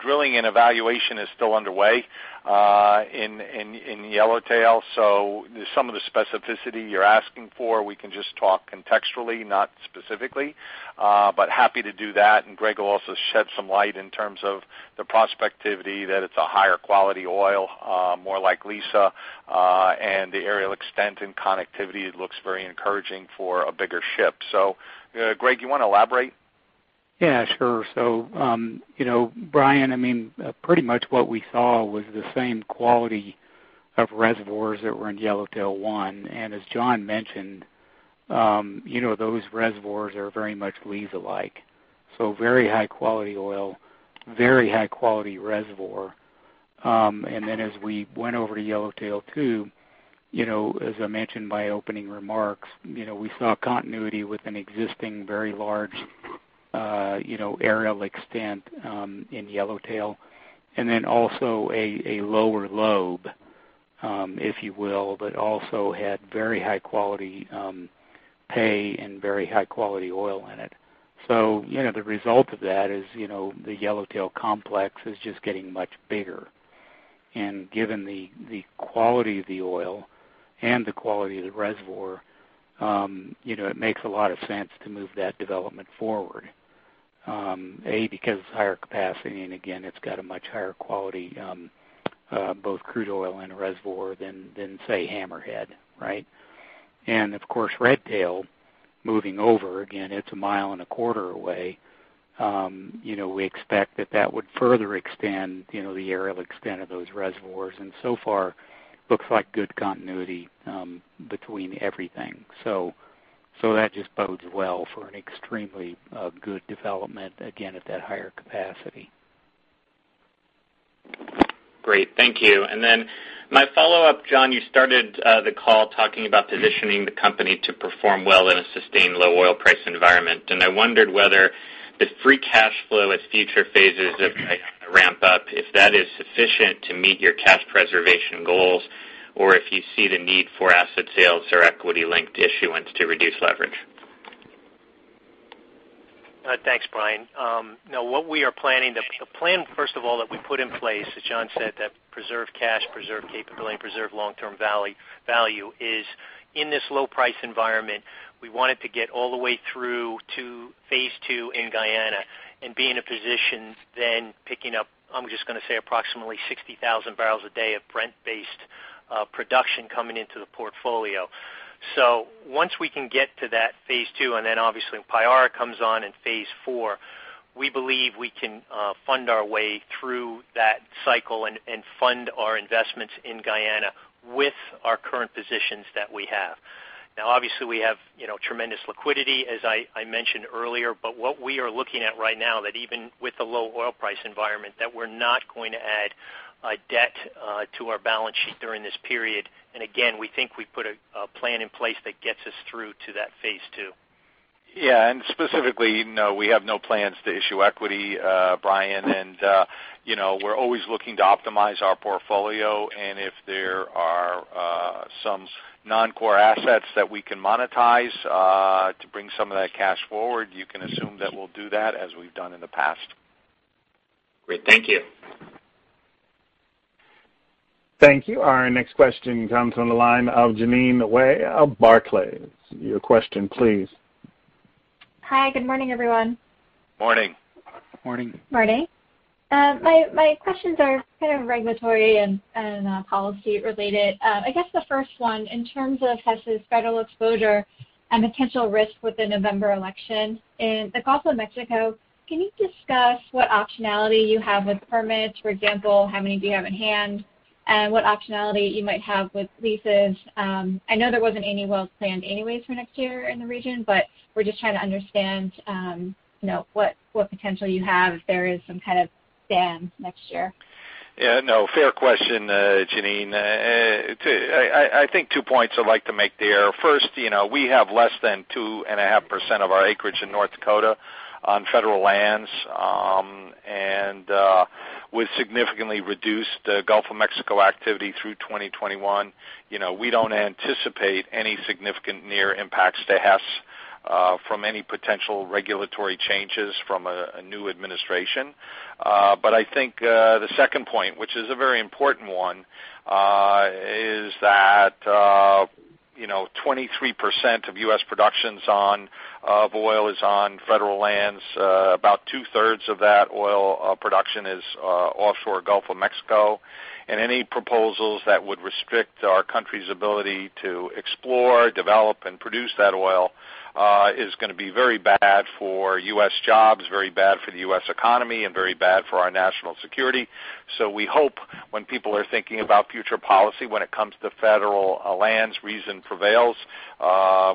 Drilling and evaluation is still underway in Yellowtail, so some of the specificity you're asking for, we can just talk contextually, not specifically. Happy to do that, and Greg will also shed some light in terms of the prospectivity that it's a higher quality oil, more like Liza, and the aerial extent and connectivity looks very encouraging for a bigger ship. Greg, you want to elaborate? Yeah, sure. Brian, pretty much what we saw was the same quality of reservoirs that were in Yellowtail 1. As John mentioned, those reservoirs are very much Liza-like. Very high quality oil, very high quality reservoir. As we went over to Yellowtail 2, as I mentioned in my opening remarks, we saw continuity with an existing, very large aerial extent in Yellowtail. Also a lower lobe, if you will, but also had very high quality pay and very high quality oil in it. The result of that is the Yellowtail complex is just getting much bigger. Given the quality of the oil and the quality of the reservoir, it makes a lot of sense to move that development forward. A, because it's higher capacity, and again, it's got a much higher quality, both crude oil and reservoir than, say, Hammerhead. Right? Of course, Redtail, moving over, again, it's a mile and a quarter away. We expect that that would further extend the aerial extent of those reservoirs. So far, looks like good continuity between everything. That just bodes well for an extremely good development, again, at that higher capacity. Great. Thank you. My follow-up, John, you started the call talking about positioning the company to perform well in a sustained low oil price environment. I wondered whether the free cash flow at future phases of ramp up, if that is sufficient to meet your cash preservation goals, or if you see the need for asset sales or equity-linked issuance to reduce leverage. Thanks, Brian. The plan, first of all, that we put in place, as John said, to preserve cash, preserve capability, and preserve long-term value is in this low price environment, we wanted to get all the way through to phase II in Guyana and be in a position then picking up, I'm just going to say approximately 60,000 barrels a day of Brent-based production coming into the portfolio. Once we can get to that phase II, and then obviously Payara comes on in phase IV. We believe we can fund our way through that cycle and fund our investments in Guyana with our current positions that we have. Obviously, we have tremendous liquidity, as I mentioned earlier. What we are looking at right now, that even with the low oil price environment, that we're not going to add a debt to our balance sheet during this period. Again, we think we put a plan in place that gets us through to that phase II. Yeah. Specifically, we have no plans to issue equity, Brian, and we're always looking to optimize our portfolio, and if there are some non-core assets that we can monetize to bring some of that cash forward, you can assume that we'll do that as we've done in the past. Great. Thank you. Thank you. Our next question comes from the line of Jeanine Wai of Barclays. Your question please. Hi. Good morning, everyone. Morning. Morning. Morning. My questions are kind of regulatory and policy related. I guess the first one, in terms of Hess's federal exposure and potential risk with the November election in the Gulf of Mexico, can you discuss what optionality you have with permits? For example, how many do you have in hand, and what optionality you might have with leases? I know there wasn't any wells planned anyways for next year in the region, but we're just trying to understand what potential you have if there is some kind of ban next year. Yeah, no, fair question, Jeanine. I think two points I'd like to make there. First, we have less than 2.5% of our acreage in North Dakota on federal lands. With significantly reduced Gulf of Mexico activity through 2021, we don't anticipate any significant near impacts to Hess from any potential regulatory changes from a new administration. I think the second point, which is a very important one, is that 23% of U.S. productions of oil is on federal lands. About two-thirds of that oil production is offshore Gulf of Mexico. Any proposals that would restrict our country's ability to explore, develop, and produce that oil is going to be very bad for U.S. jobs, very bad for the U.S. economy, and very bad for our national security. We hope when people are thinking about future policy when it comes to federal lands, reason prevails,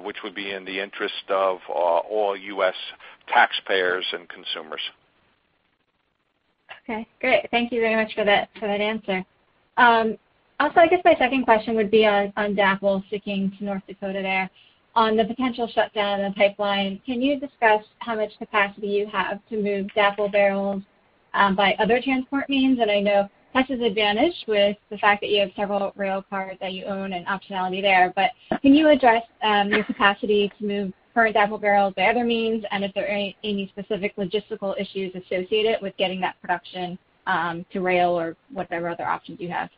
which would be in the interest of all U.S. taxpayers and consumers. Okay, great. Thank you very much for that answer. I guess my second question would be on DAPL, sticking to North Dakota there. On the potential shutdown of the pipeline, can you discuss how much capacity you have to move DAPL barrels by other transport means? I know Hess has advantage with the fact that you have several rail cars that you own and optionality there. Can you address your capacity to move current DAPL barrels by other means, and if there are any specific logistical issues associated with getting that production to rail or whatever other options you have?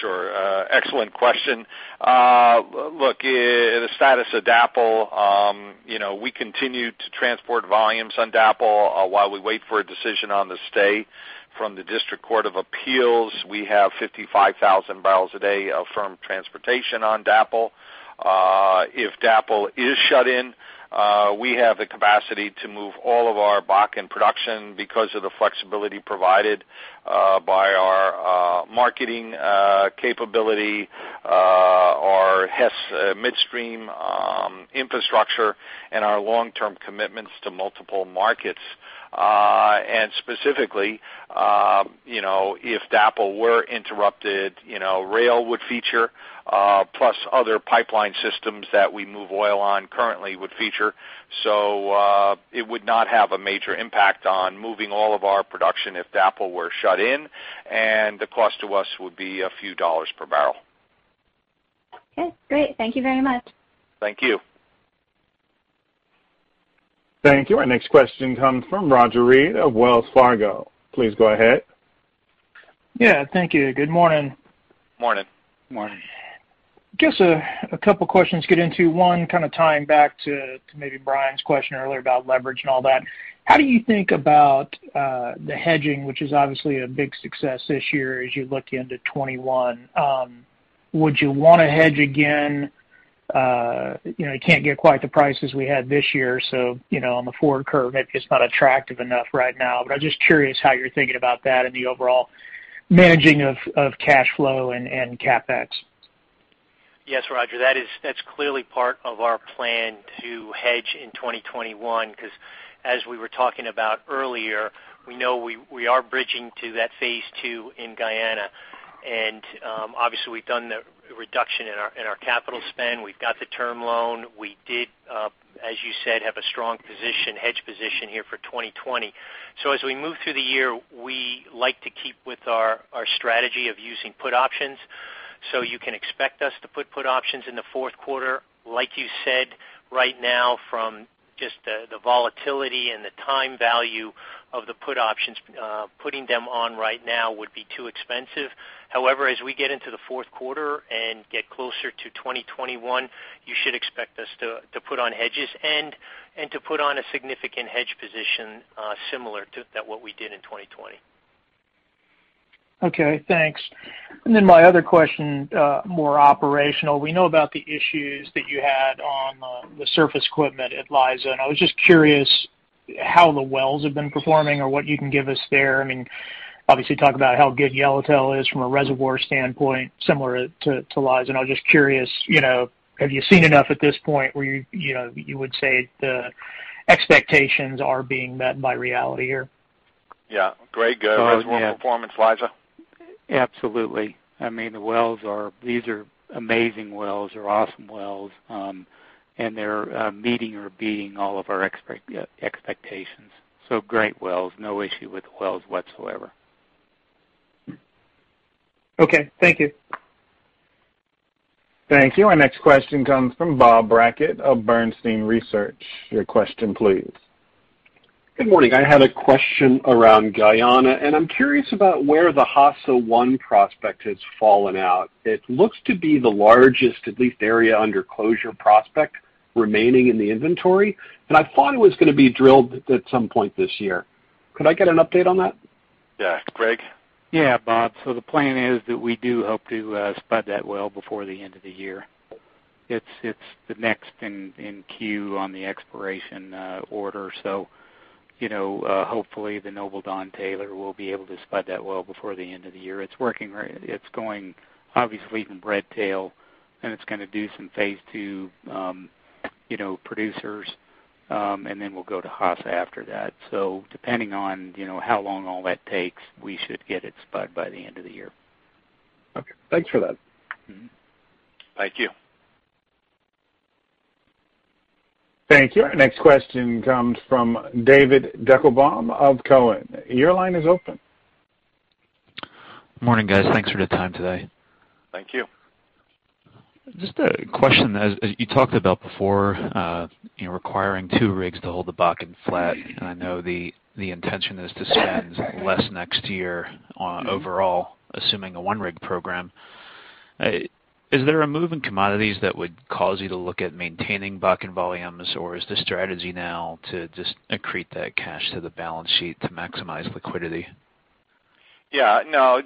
Sure. Excellent question. The status of DAPL, we continue to transport volumes on DAPL while we wait for a decision on the stay from the District Court of Appeals. We have 55,000 barrels a day of firm transportation on DAPL. If DAPL is shut in, we have the capacity to move all of our Bakken production because of the flexibility provided by our marketing capability, our Hess Midstream infrastructure, and our long-term commitments to multiple markets. Specifically, if DAPL were interrupted, rail would feature, plus other pipeline systems that we move oil on currently would feature. It would not have a major impact on moving all of our production if DAPL were shut in, and the cost to us would be a few dollars per barrel. Okay, great. Thank you very much. Thank you. Thank you. Our next question comes from Roger Read of Wells Fargo. Please go ahead. Yeah. Thank you. Good morning. Morning. Morning. Just a couple of questions to get into. One, kind of tying back to maybe Brian's question earlier about leverage and all that. How do you think about the hedging, which is obviously a big success this year, as you look into 2021? Would you want to hedge again? You can't get quite the prices we had this year, so on the forward curve, maybe it's not attractive enough right now. I'm just curious how you're thinking about that and the overall managing of cash flow and CapEx. Yes, Roger. That's clearly part of our plan to hedge in 2021, because as we were talking about earlier, we know we are bridging to that phase II in Guyana. Obviously, we've done the reduction in our capital spend. We've got the term loan. We did, as you said, have a strong hedge position here for 2020. As we move through the year, we like to keep with our strategy of using put options. You can expect us to put put options in the fourth quarter. Like you said, right now, from just the volatility and the time value of the put options, putting them on right now would be too expensive. However, as we get into the fourth quarter and get closer to 2021, you should expect us to put on hedges and to put on a significant hedge position similar to what we did in 2020. Okay, thanks. My other question, more operational. We know about the issues that you had on the surface equipment at Liza, and I was just curious how the wells have been performing or what you can give us there. Obviously, you talk about how good Yellowtail is from a reservoir standpoint, similar to Liza, and I'm just curious, have you seen enough at this point where you would say the expectations are being met by reality here? Yeah. Greg? Good reservoir performance, Liza? Absolutely. These are amazing wells. They're awesome wells. They're meeting or beating all of our expectations. Great wells, no issue with the wells whatsoever. Okay, thank you. Thank you. Our next question comes from Bob Brackett of Bernstein Research. Your question, please. Good morning. I had a question around Guyana, and I'm curious about where the Hassa-1 prospect has fallen out. It looks to be the largest, at least area under closure prospect, remaining in the inventory, and I thought it was going to be drilled at some point this year. Could I get an update on that? Yeah. Greg? Yeah, Bob. The plan is that we do hope to spud that well before the end of the year. It's the next in queue on the exploration order, hopefully, the Noble Don Taylor will be able to spud that well before the end of the year. It's going, obviously, in Redtail, it's going to do some phase II producers, we'll go to Hassa after that. Depending on how long all that takes, we should get it spud by the end of the year. Okay. Thanks for that. Thank you. Thank you. Our next question comes from David Deckelbaum of Cowen. Your line is open. Morning, guys. Thanks for the time today. Thank you. Just a question. As you talked about before, requiring two rigs to hold the Bakken flat, I know the intention is to spend less next year on overall, assuming a one rig program. Is there a move in commodities that would cause you to look at maintaining Bakken volumes, or is the strategy now to just accrete that cash to the balance sheet to maximize liquidity? Yeah. No,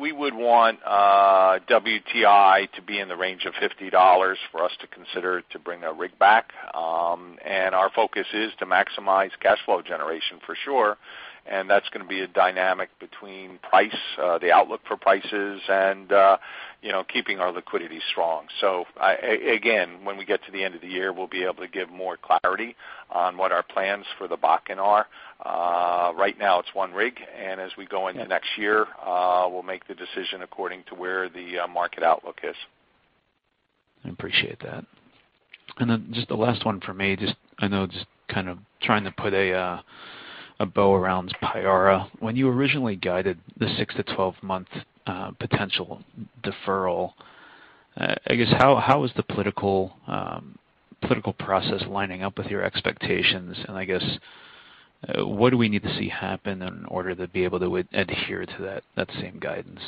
we would want WTI to be in the range of $50 for us to consider to bring a rig back. Our focus is to maximize cash flow generation for sure, and that's going to be a dynamic between price, the outlook for prices, and keeping our liquidity strong. Again, when we get to the end of the year, we'll be able to give more clarity on what our plans for the Bakken are. Right now it's one rig, and as we go into next year, we'll make the decision according to where the market outlook is. I appreciate that. Then just the last one from me, I know trying to put a bow around Payara. When you originally guided the 6 to 12 month potential deferral, how is the political process lining up with your expectations? What do we need to see happen in order to be able to adhere to that same guidance?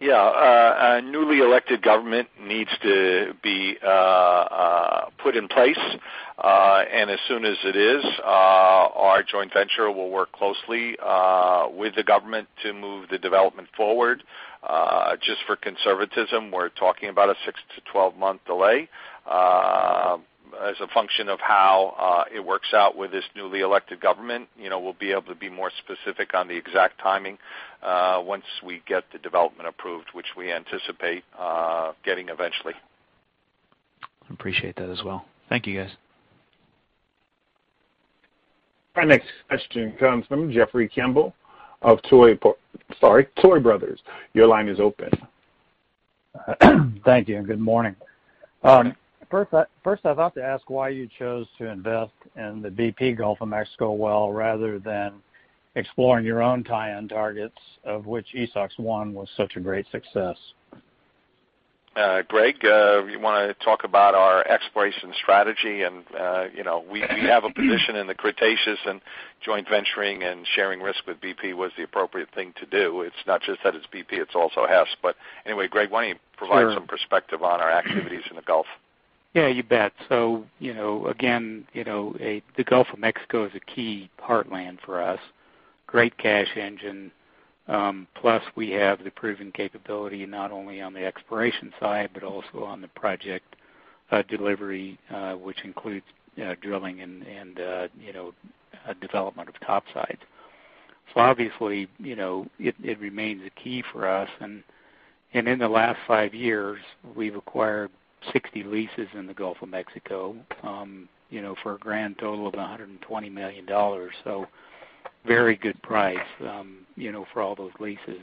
Yeah. A newly elected government needs to be put in place. As soon as it is, our joint venture will work closely with the government to move the development forward. Just for conservatism, we're talking about a 6-12-month delay. As a function of how it works out with this newly elected government, we'll be able to be more specific on the exact timing once we get the development approved, which we anticipate getting eventually. I appreciate that as well. Thank you, guys. Our next question comes from Jeffrey Campbell of Tuohy Brothers. Your line is open. Thank you, and good morning. First, I'd love to ask why you chose to invest in the BP Gulf of Mexico well rather than exploring your own tie-in targets, of which Esox-1 was such a great success? Greg, you want to talk about our exploration strategy? We have a position in the Cretaceous and joint venturing and sharing risk with BP was the appropriate thing to do. It's not just that it's BP, it's also Hess. Anyway, Greg, why don't you provide some perspective on our activities in the Gulf? Yeah, you bet. Again, the Gulf of Mexico is a key heartland for us. Great cash engine. Plus, we have the proven capability, not only on the exploration side, but also on the project delivery, which includes drilling and development of topside. Obviously, it remains a key for us. In the last five years, we've acquired 60 leases in the Gulf of Mexico for a grand total of $120 million. Very good price for all those leases.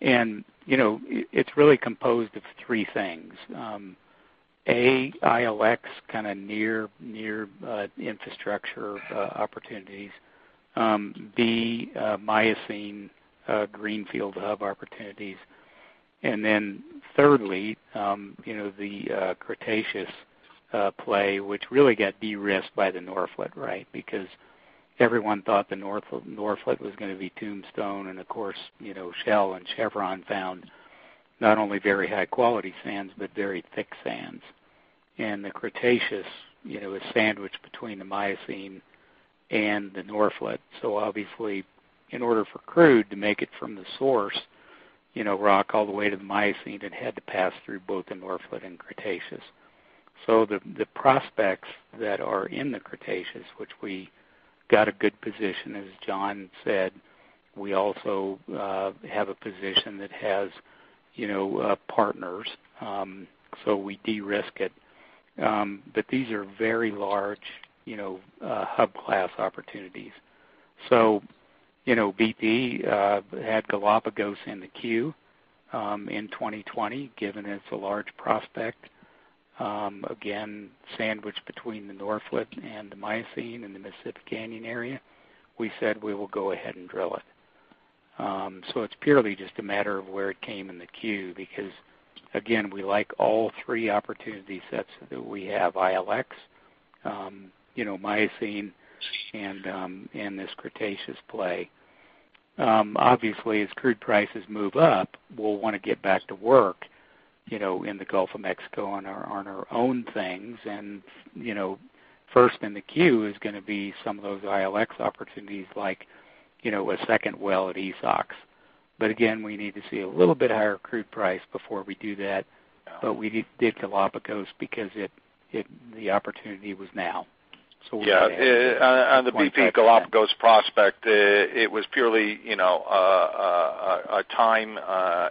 It's really composed of three things. A, ILX, near infrastructure opportunities. B, Miocene greenfield hub opportunities. Thirdly, the Cretaceous play, which really got de-risked by the Norphlet, right? Because everyone thought the Norphlet was going to be tombstone, and of course, Shell and Chevron found not only very high-quality sands, but very thick sands. The Cretaceous is sandwiched between the Miocene and the Norphlet. Obviously, in order for crude to make it from the source rock all the way to the Miocene, it had to pass through both the Norphlet and Cretaceous. The prospects that are in the Cretaceous, which we got a good position, as John said, we also have a position that has partners, so we de-risk it. These are very large hub class opportunities. BP had Galapagos in the queue in 2020, given it's a large prospect. Again, sandwiched between the Norphlet and the Miocene in the Mississippi Canyon area. We said we will go ahead and drill it. It's purely just a matter of where it came in the queue, because, again, we like all three opportunity sets that we have, ILX, Miocene, and this Cretaceous play. Obviously, as crude prices move up, we'll want to get back to work in the Gulf of Mexico on our own things. First in the queue is going to be some of those ILX opportunities, like a second well at Esox. Again, we need to see a little bit higher crude price before we do that. We did Galapagos because the opportunity was now, so we went ahead with it. Yeah. On the BP Galapagos prospect, it was purely a time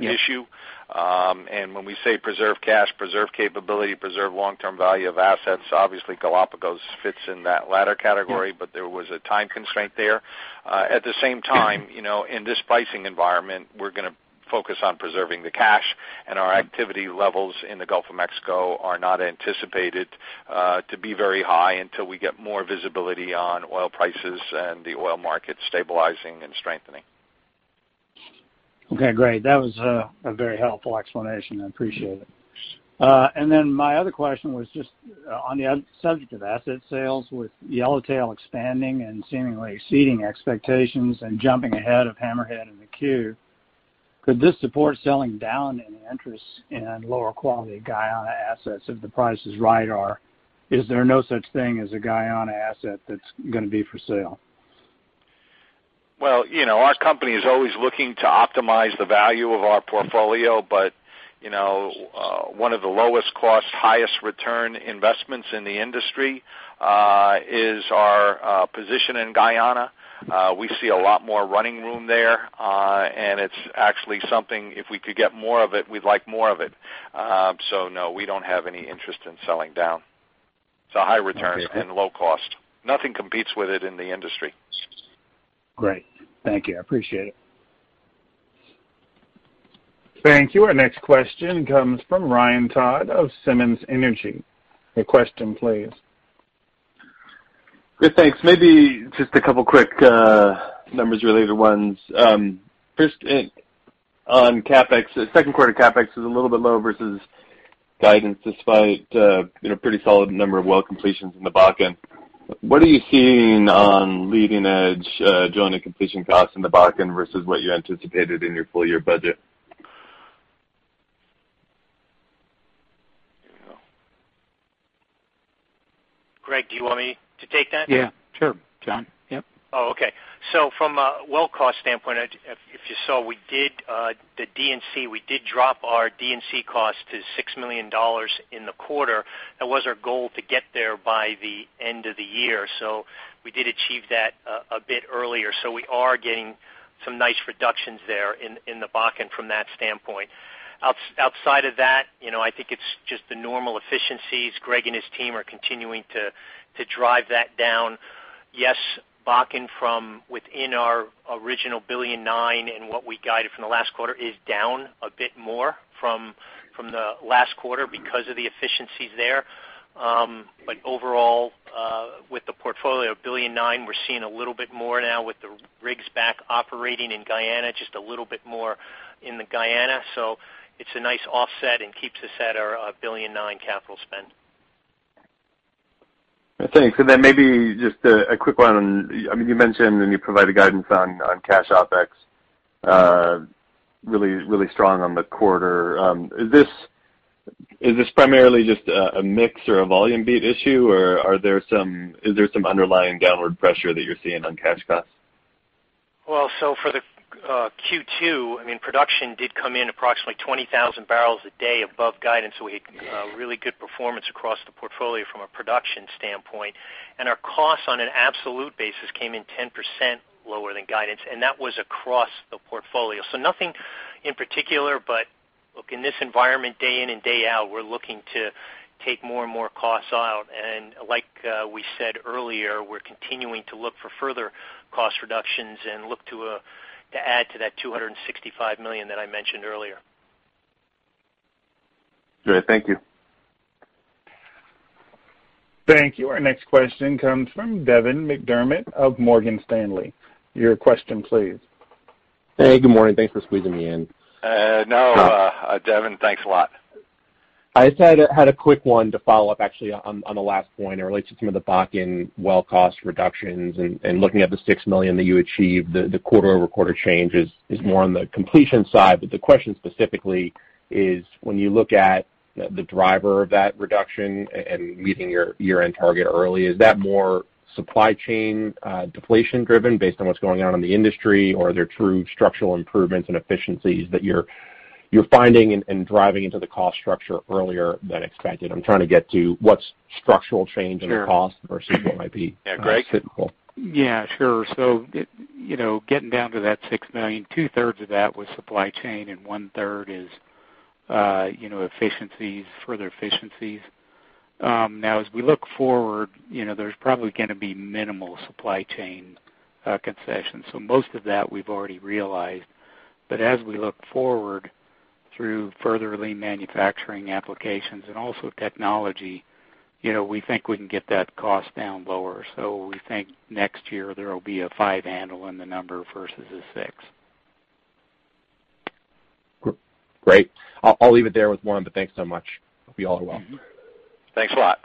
issue. Yeah. When we say preserve cash, preserve capability, preserve long-term value of assets, obviously Galapagos fits in that latter category. Yeah. There was a time constraint there. At the same time, in this pricing environment, we're going to focus on preserving the cash, and our activity levels in the Gulf of Mexico are not anticipated to be very high until we get more visibility on oil prices and the oil market stabilizing and strengthening. Okay, great. That was a very helpful explanation. I appreciate it. My other question was just on the subject of asset sales, with Yellowtail expanding and seemingly exceeding expectations and jumping ahead of Hammerhead in the queue, could this support selling down any interest in lower quality Guyana assets if the price is right? Is there no such thing as a Guyana asset that's going to be for sale? Well, our company is always looking to optimize the value of our portfolio. One of the lowest cost, highest return investments in the industry is our position in Guyana. We see a lot more running room there, it's actually something if we could get more of it, we'd like more of it. No, we don't have any interest in selling down. It's a high return. Okay Low cost. Nothing competes with it in the industry. Great. Thank you. I appreciate it. Thank you. Our next question comes from Ryan Todd of Simmons Energy. Your question, please. Good. Thanks. Maybe just a couple quick numbers related ones. First, on CapEx, second quarter OpEx is a little bit low versus guidance, despite a pretty solid number of well completions in the Bakken. What are you seeing on leading edge drilling and completion costs in the Bakken versus what you anticipated in your full year budget? Greg, do you want me to take that? Yeah, sure, John. Yep. Oh, okay. From a well cost standpoint, if you saw, the D&C, we did drop our D&C cost to $6 million in the quarter. That was our goal to get there by the end of the year. We did achieve that a bit earlier. We are getting some nice reductions there in the Bakken from that standpoint. Outside of that, I think it's just the normal efficiencies. Greg and his team are continuing to drive that down. Yes, Bakken from within our original billion nine, and what we guided from the last quarter, is down a bit more from the last quarter because of the efficiencies there. Overall, with the portfolio, billion nine, we're seeing a little bit more now with the rigs back operating in Guyana, just a little bit more in the Guyana. It's a nice offset and keeps us at our $1.9 billion capital spend. Thanks. Maybe just a quick one on, you mentioned when you provided guidance on cash OpEx, really strong on the quarter. Is this primarily just a mix or a volume beat issue, or is there some underlying downward pressure that you're seeing on cash costs? Well, for the Q2, production did come in approximately 20,000 barrels a day above guidance. We had really good performance across the portfolio from a production standpoint. Our costs on an absolute basis came in 10% lower than guidance, and that was across the portfolio. Nothing in particular, but look, in this environment, day in and day out, we're looking to take more and more costs out. Like we said earlier, we're continuing to look for further cost reductions and look to add to that $265 million that I mentioned earlier. Great. Thank you. Thank you. Our next question comes from Devin McDermott of Morgan Stanley. Your question, please. Hey, good morning. Thanks for squeezing me in. No, Devin, thanks a lot. I just had a quick one to follow up actually on the last point. It relates to some of the Bakken well cost reductions and looking at the $6 million that you achieved, the quarter-over-quarter change is more on the completion side. The question specifically is when you look at the driver of that reduction and meeting your year-end target early, is that more supply chain deflation driven based on what's going on in the industry? Are there true structural improvements and efficiencies that you're finding and driving into the cost structure earlier than expected? I'm trying to get to what's structural change in the cost versus what might be cyclical. Yeah, Greg? Yeah, sure. Getting down to that $6 million, two-thirds of that was supply chain, and one-third is further efficiencies. Now, as we look forward, there's probably going to be minimal supply chain concessions. Most of that we've already realized. As we look forward through further lean manufacturing applications and also technology, we think we can get that cost down lower. We think next year there will be a five handle in the number versus a six. Great. I'll leave it there with one, but thanks so much. Hope you all are well. Thanks a lot.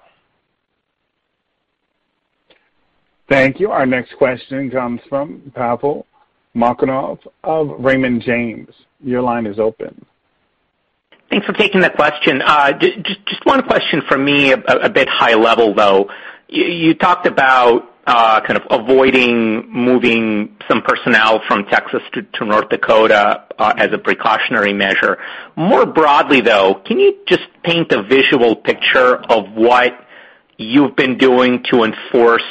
Thank you. Our next question comes from Pavel Molchanov of Raymond James. Your line is open. Thanks for taking the question. Just one question from me, a bit high level, though. You talked about kind of avoiding moving some personnel from Texas to North Dakota as a precautionary measure. More broadly, though, can you just paint a visual picture of what you've been doing to enforce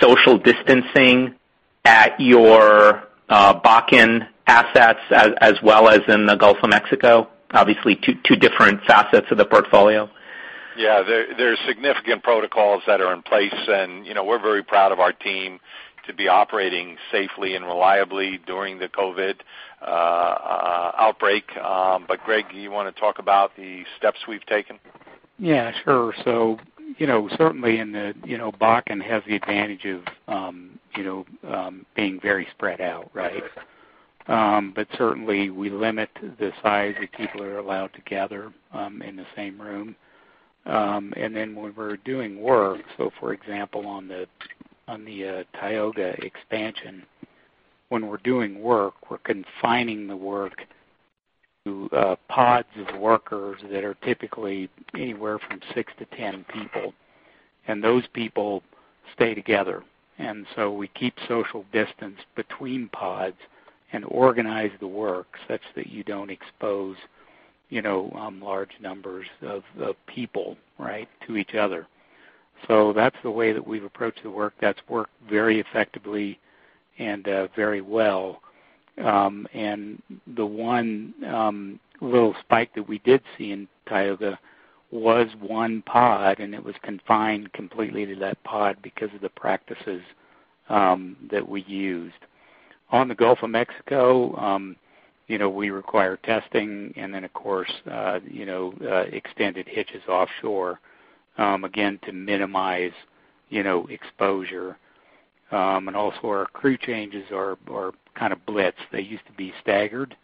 social distancing at your Bakken assets as well as in the Gulf of Mexico? Obviously, two different facets of the portfolio. Yeah, there are significant protocols that are in place, and we're very proud of our team to be operating safely and reliably during the COVID-19 outbreak. Greg, do you want to talk about the steps we've taken? Yeah, sure. Certainly, Bakken has the advantage of being very spread out, right? Certainly, we limit the size that people are allowed to gather in the same room. When we're doing work, so for example, on the Tioga expansion, when we're doing work, we're confining the work to pods of workers that are typically anywhere from six to 10 people, and those people stay together. We keep social distance between pods and organize the work such that you don't expose large numbers of people, right, to each other. That's the way that we've approached the work. That's worked very effectively and very well. The one little spike that we did see in Tioga was one pod, and it was confined completely to that pod because of the practices that we used. On the Gulf of Mexico, we require testing and then, of course, extended hitches offshore, again, to minimize exposure. Also our crew changes are kind of blitzed. They used to be staggered.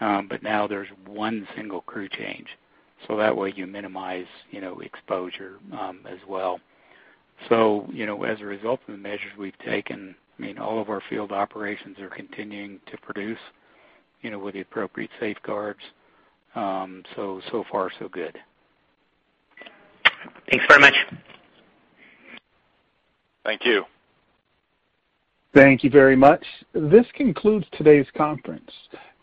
Now there's one single crew change. That way you minimize exposure as well. As a result of the measures we've taken, all of our field operations are continuing to produce with the appropriate safeguards. So far so good. Thanks very much. Thank you. Thank you very much. This concludes today's conference.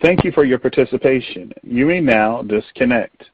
Thank you for your participation. You may now disconnect.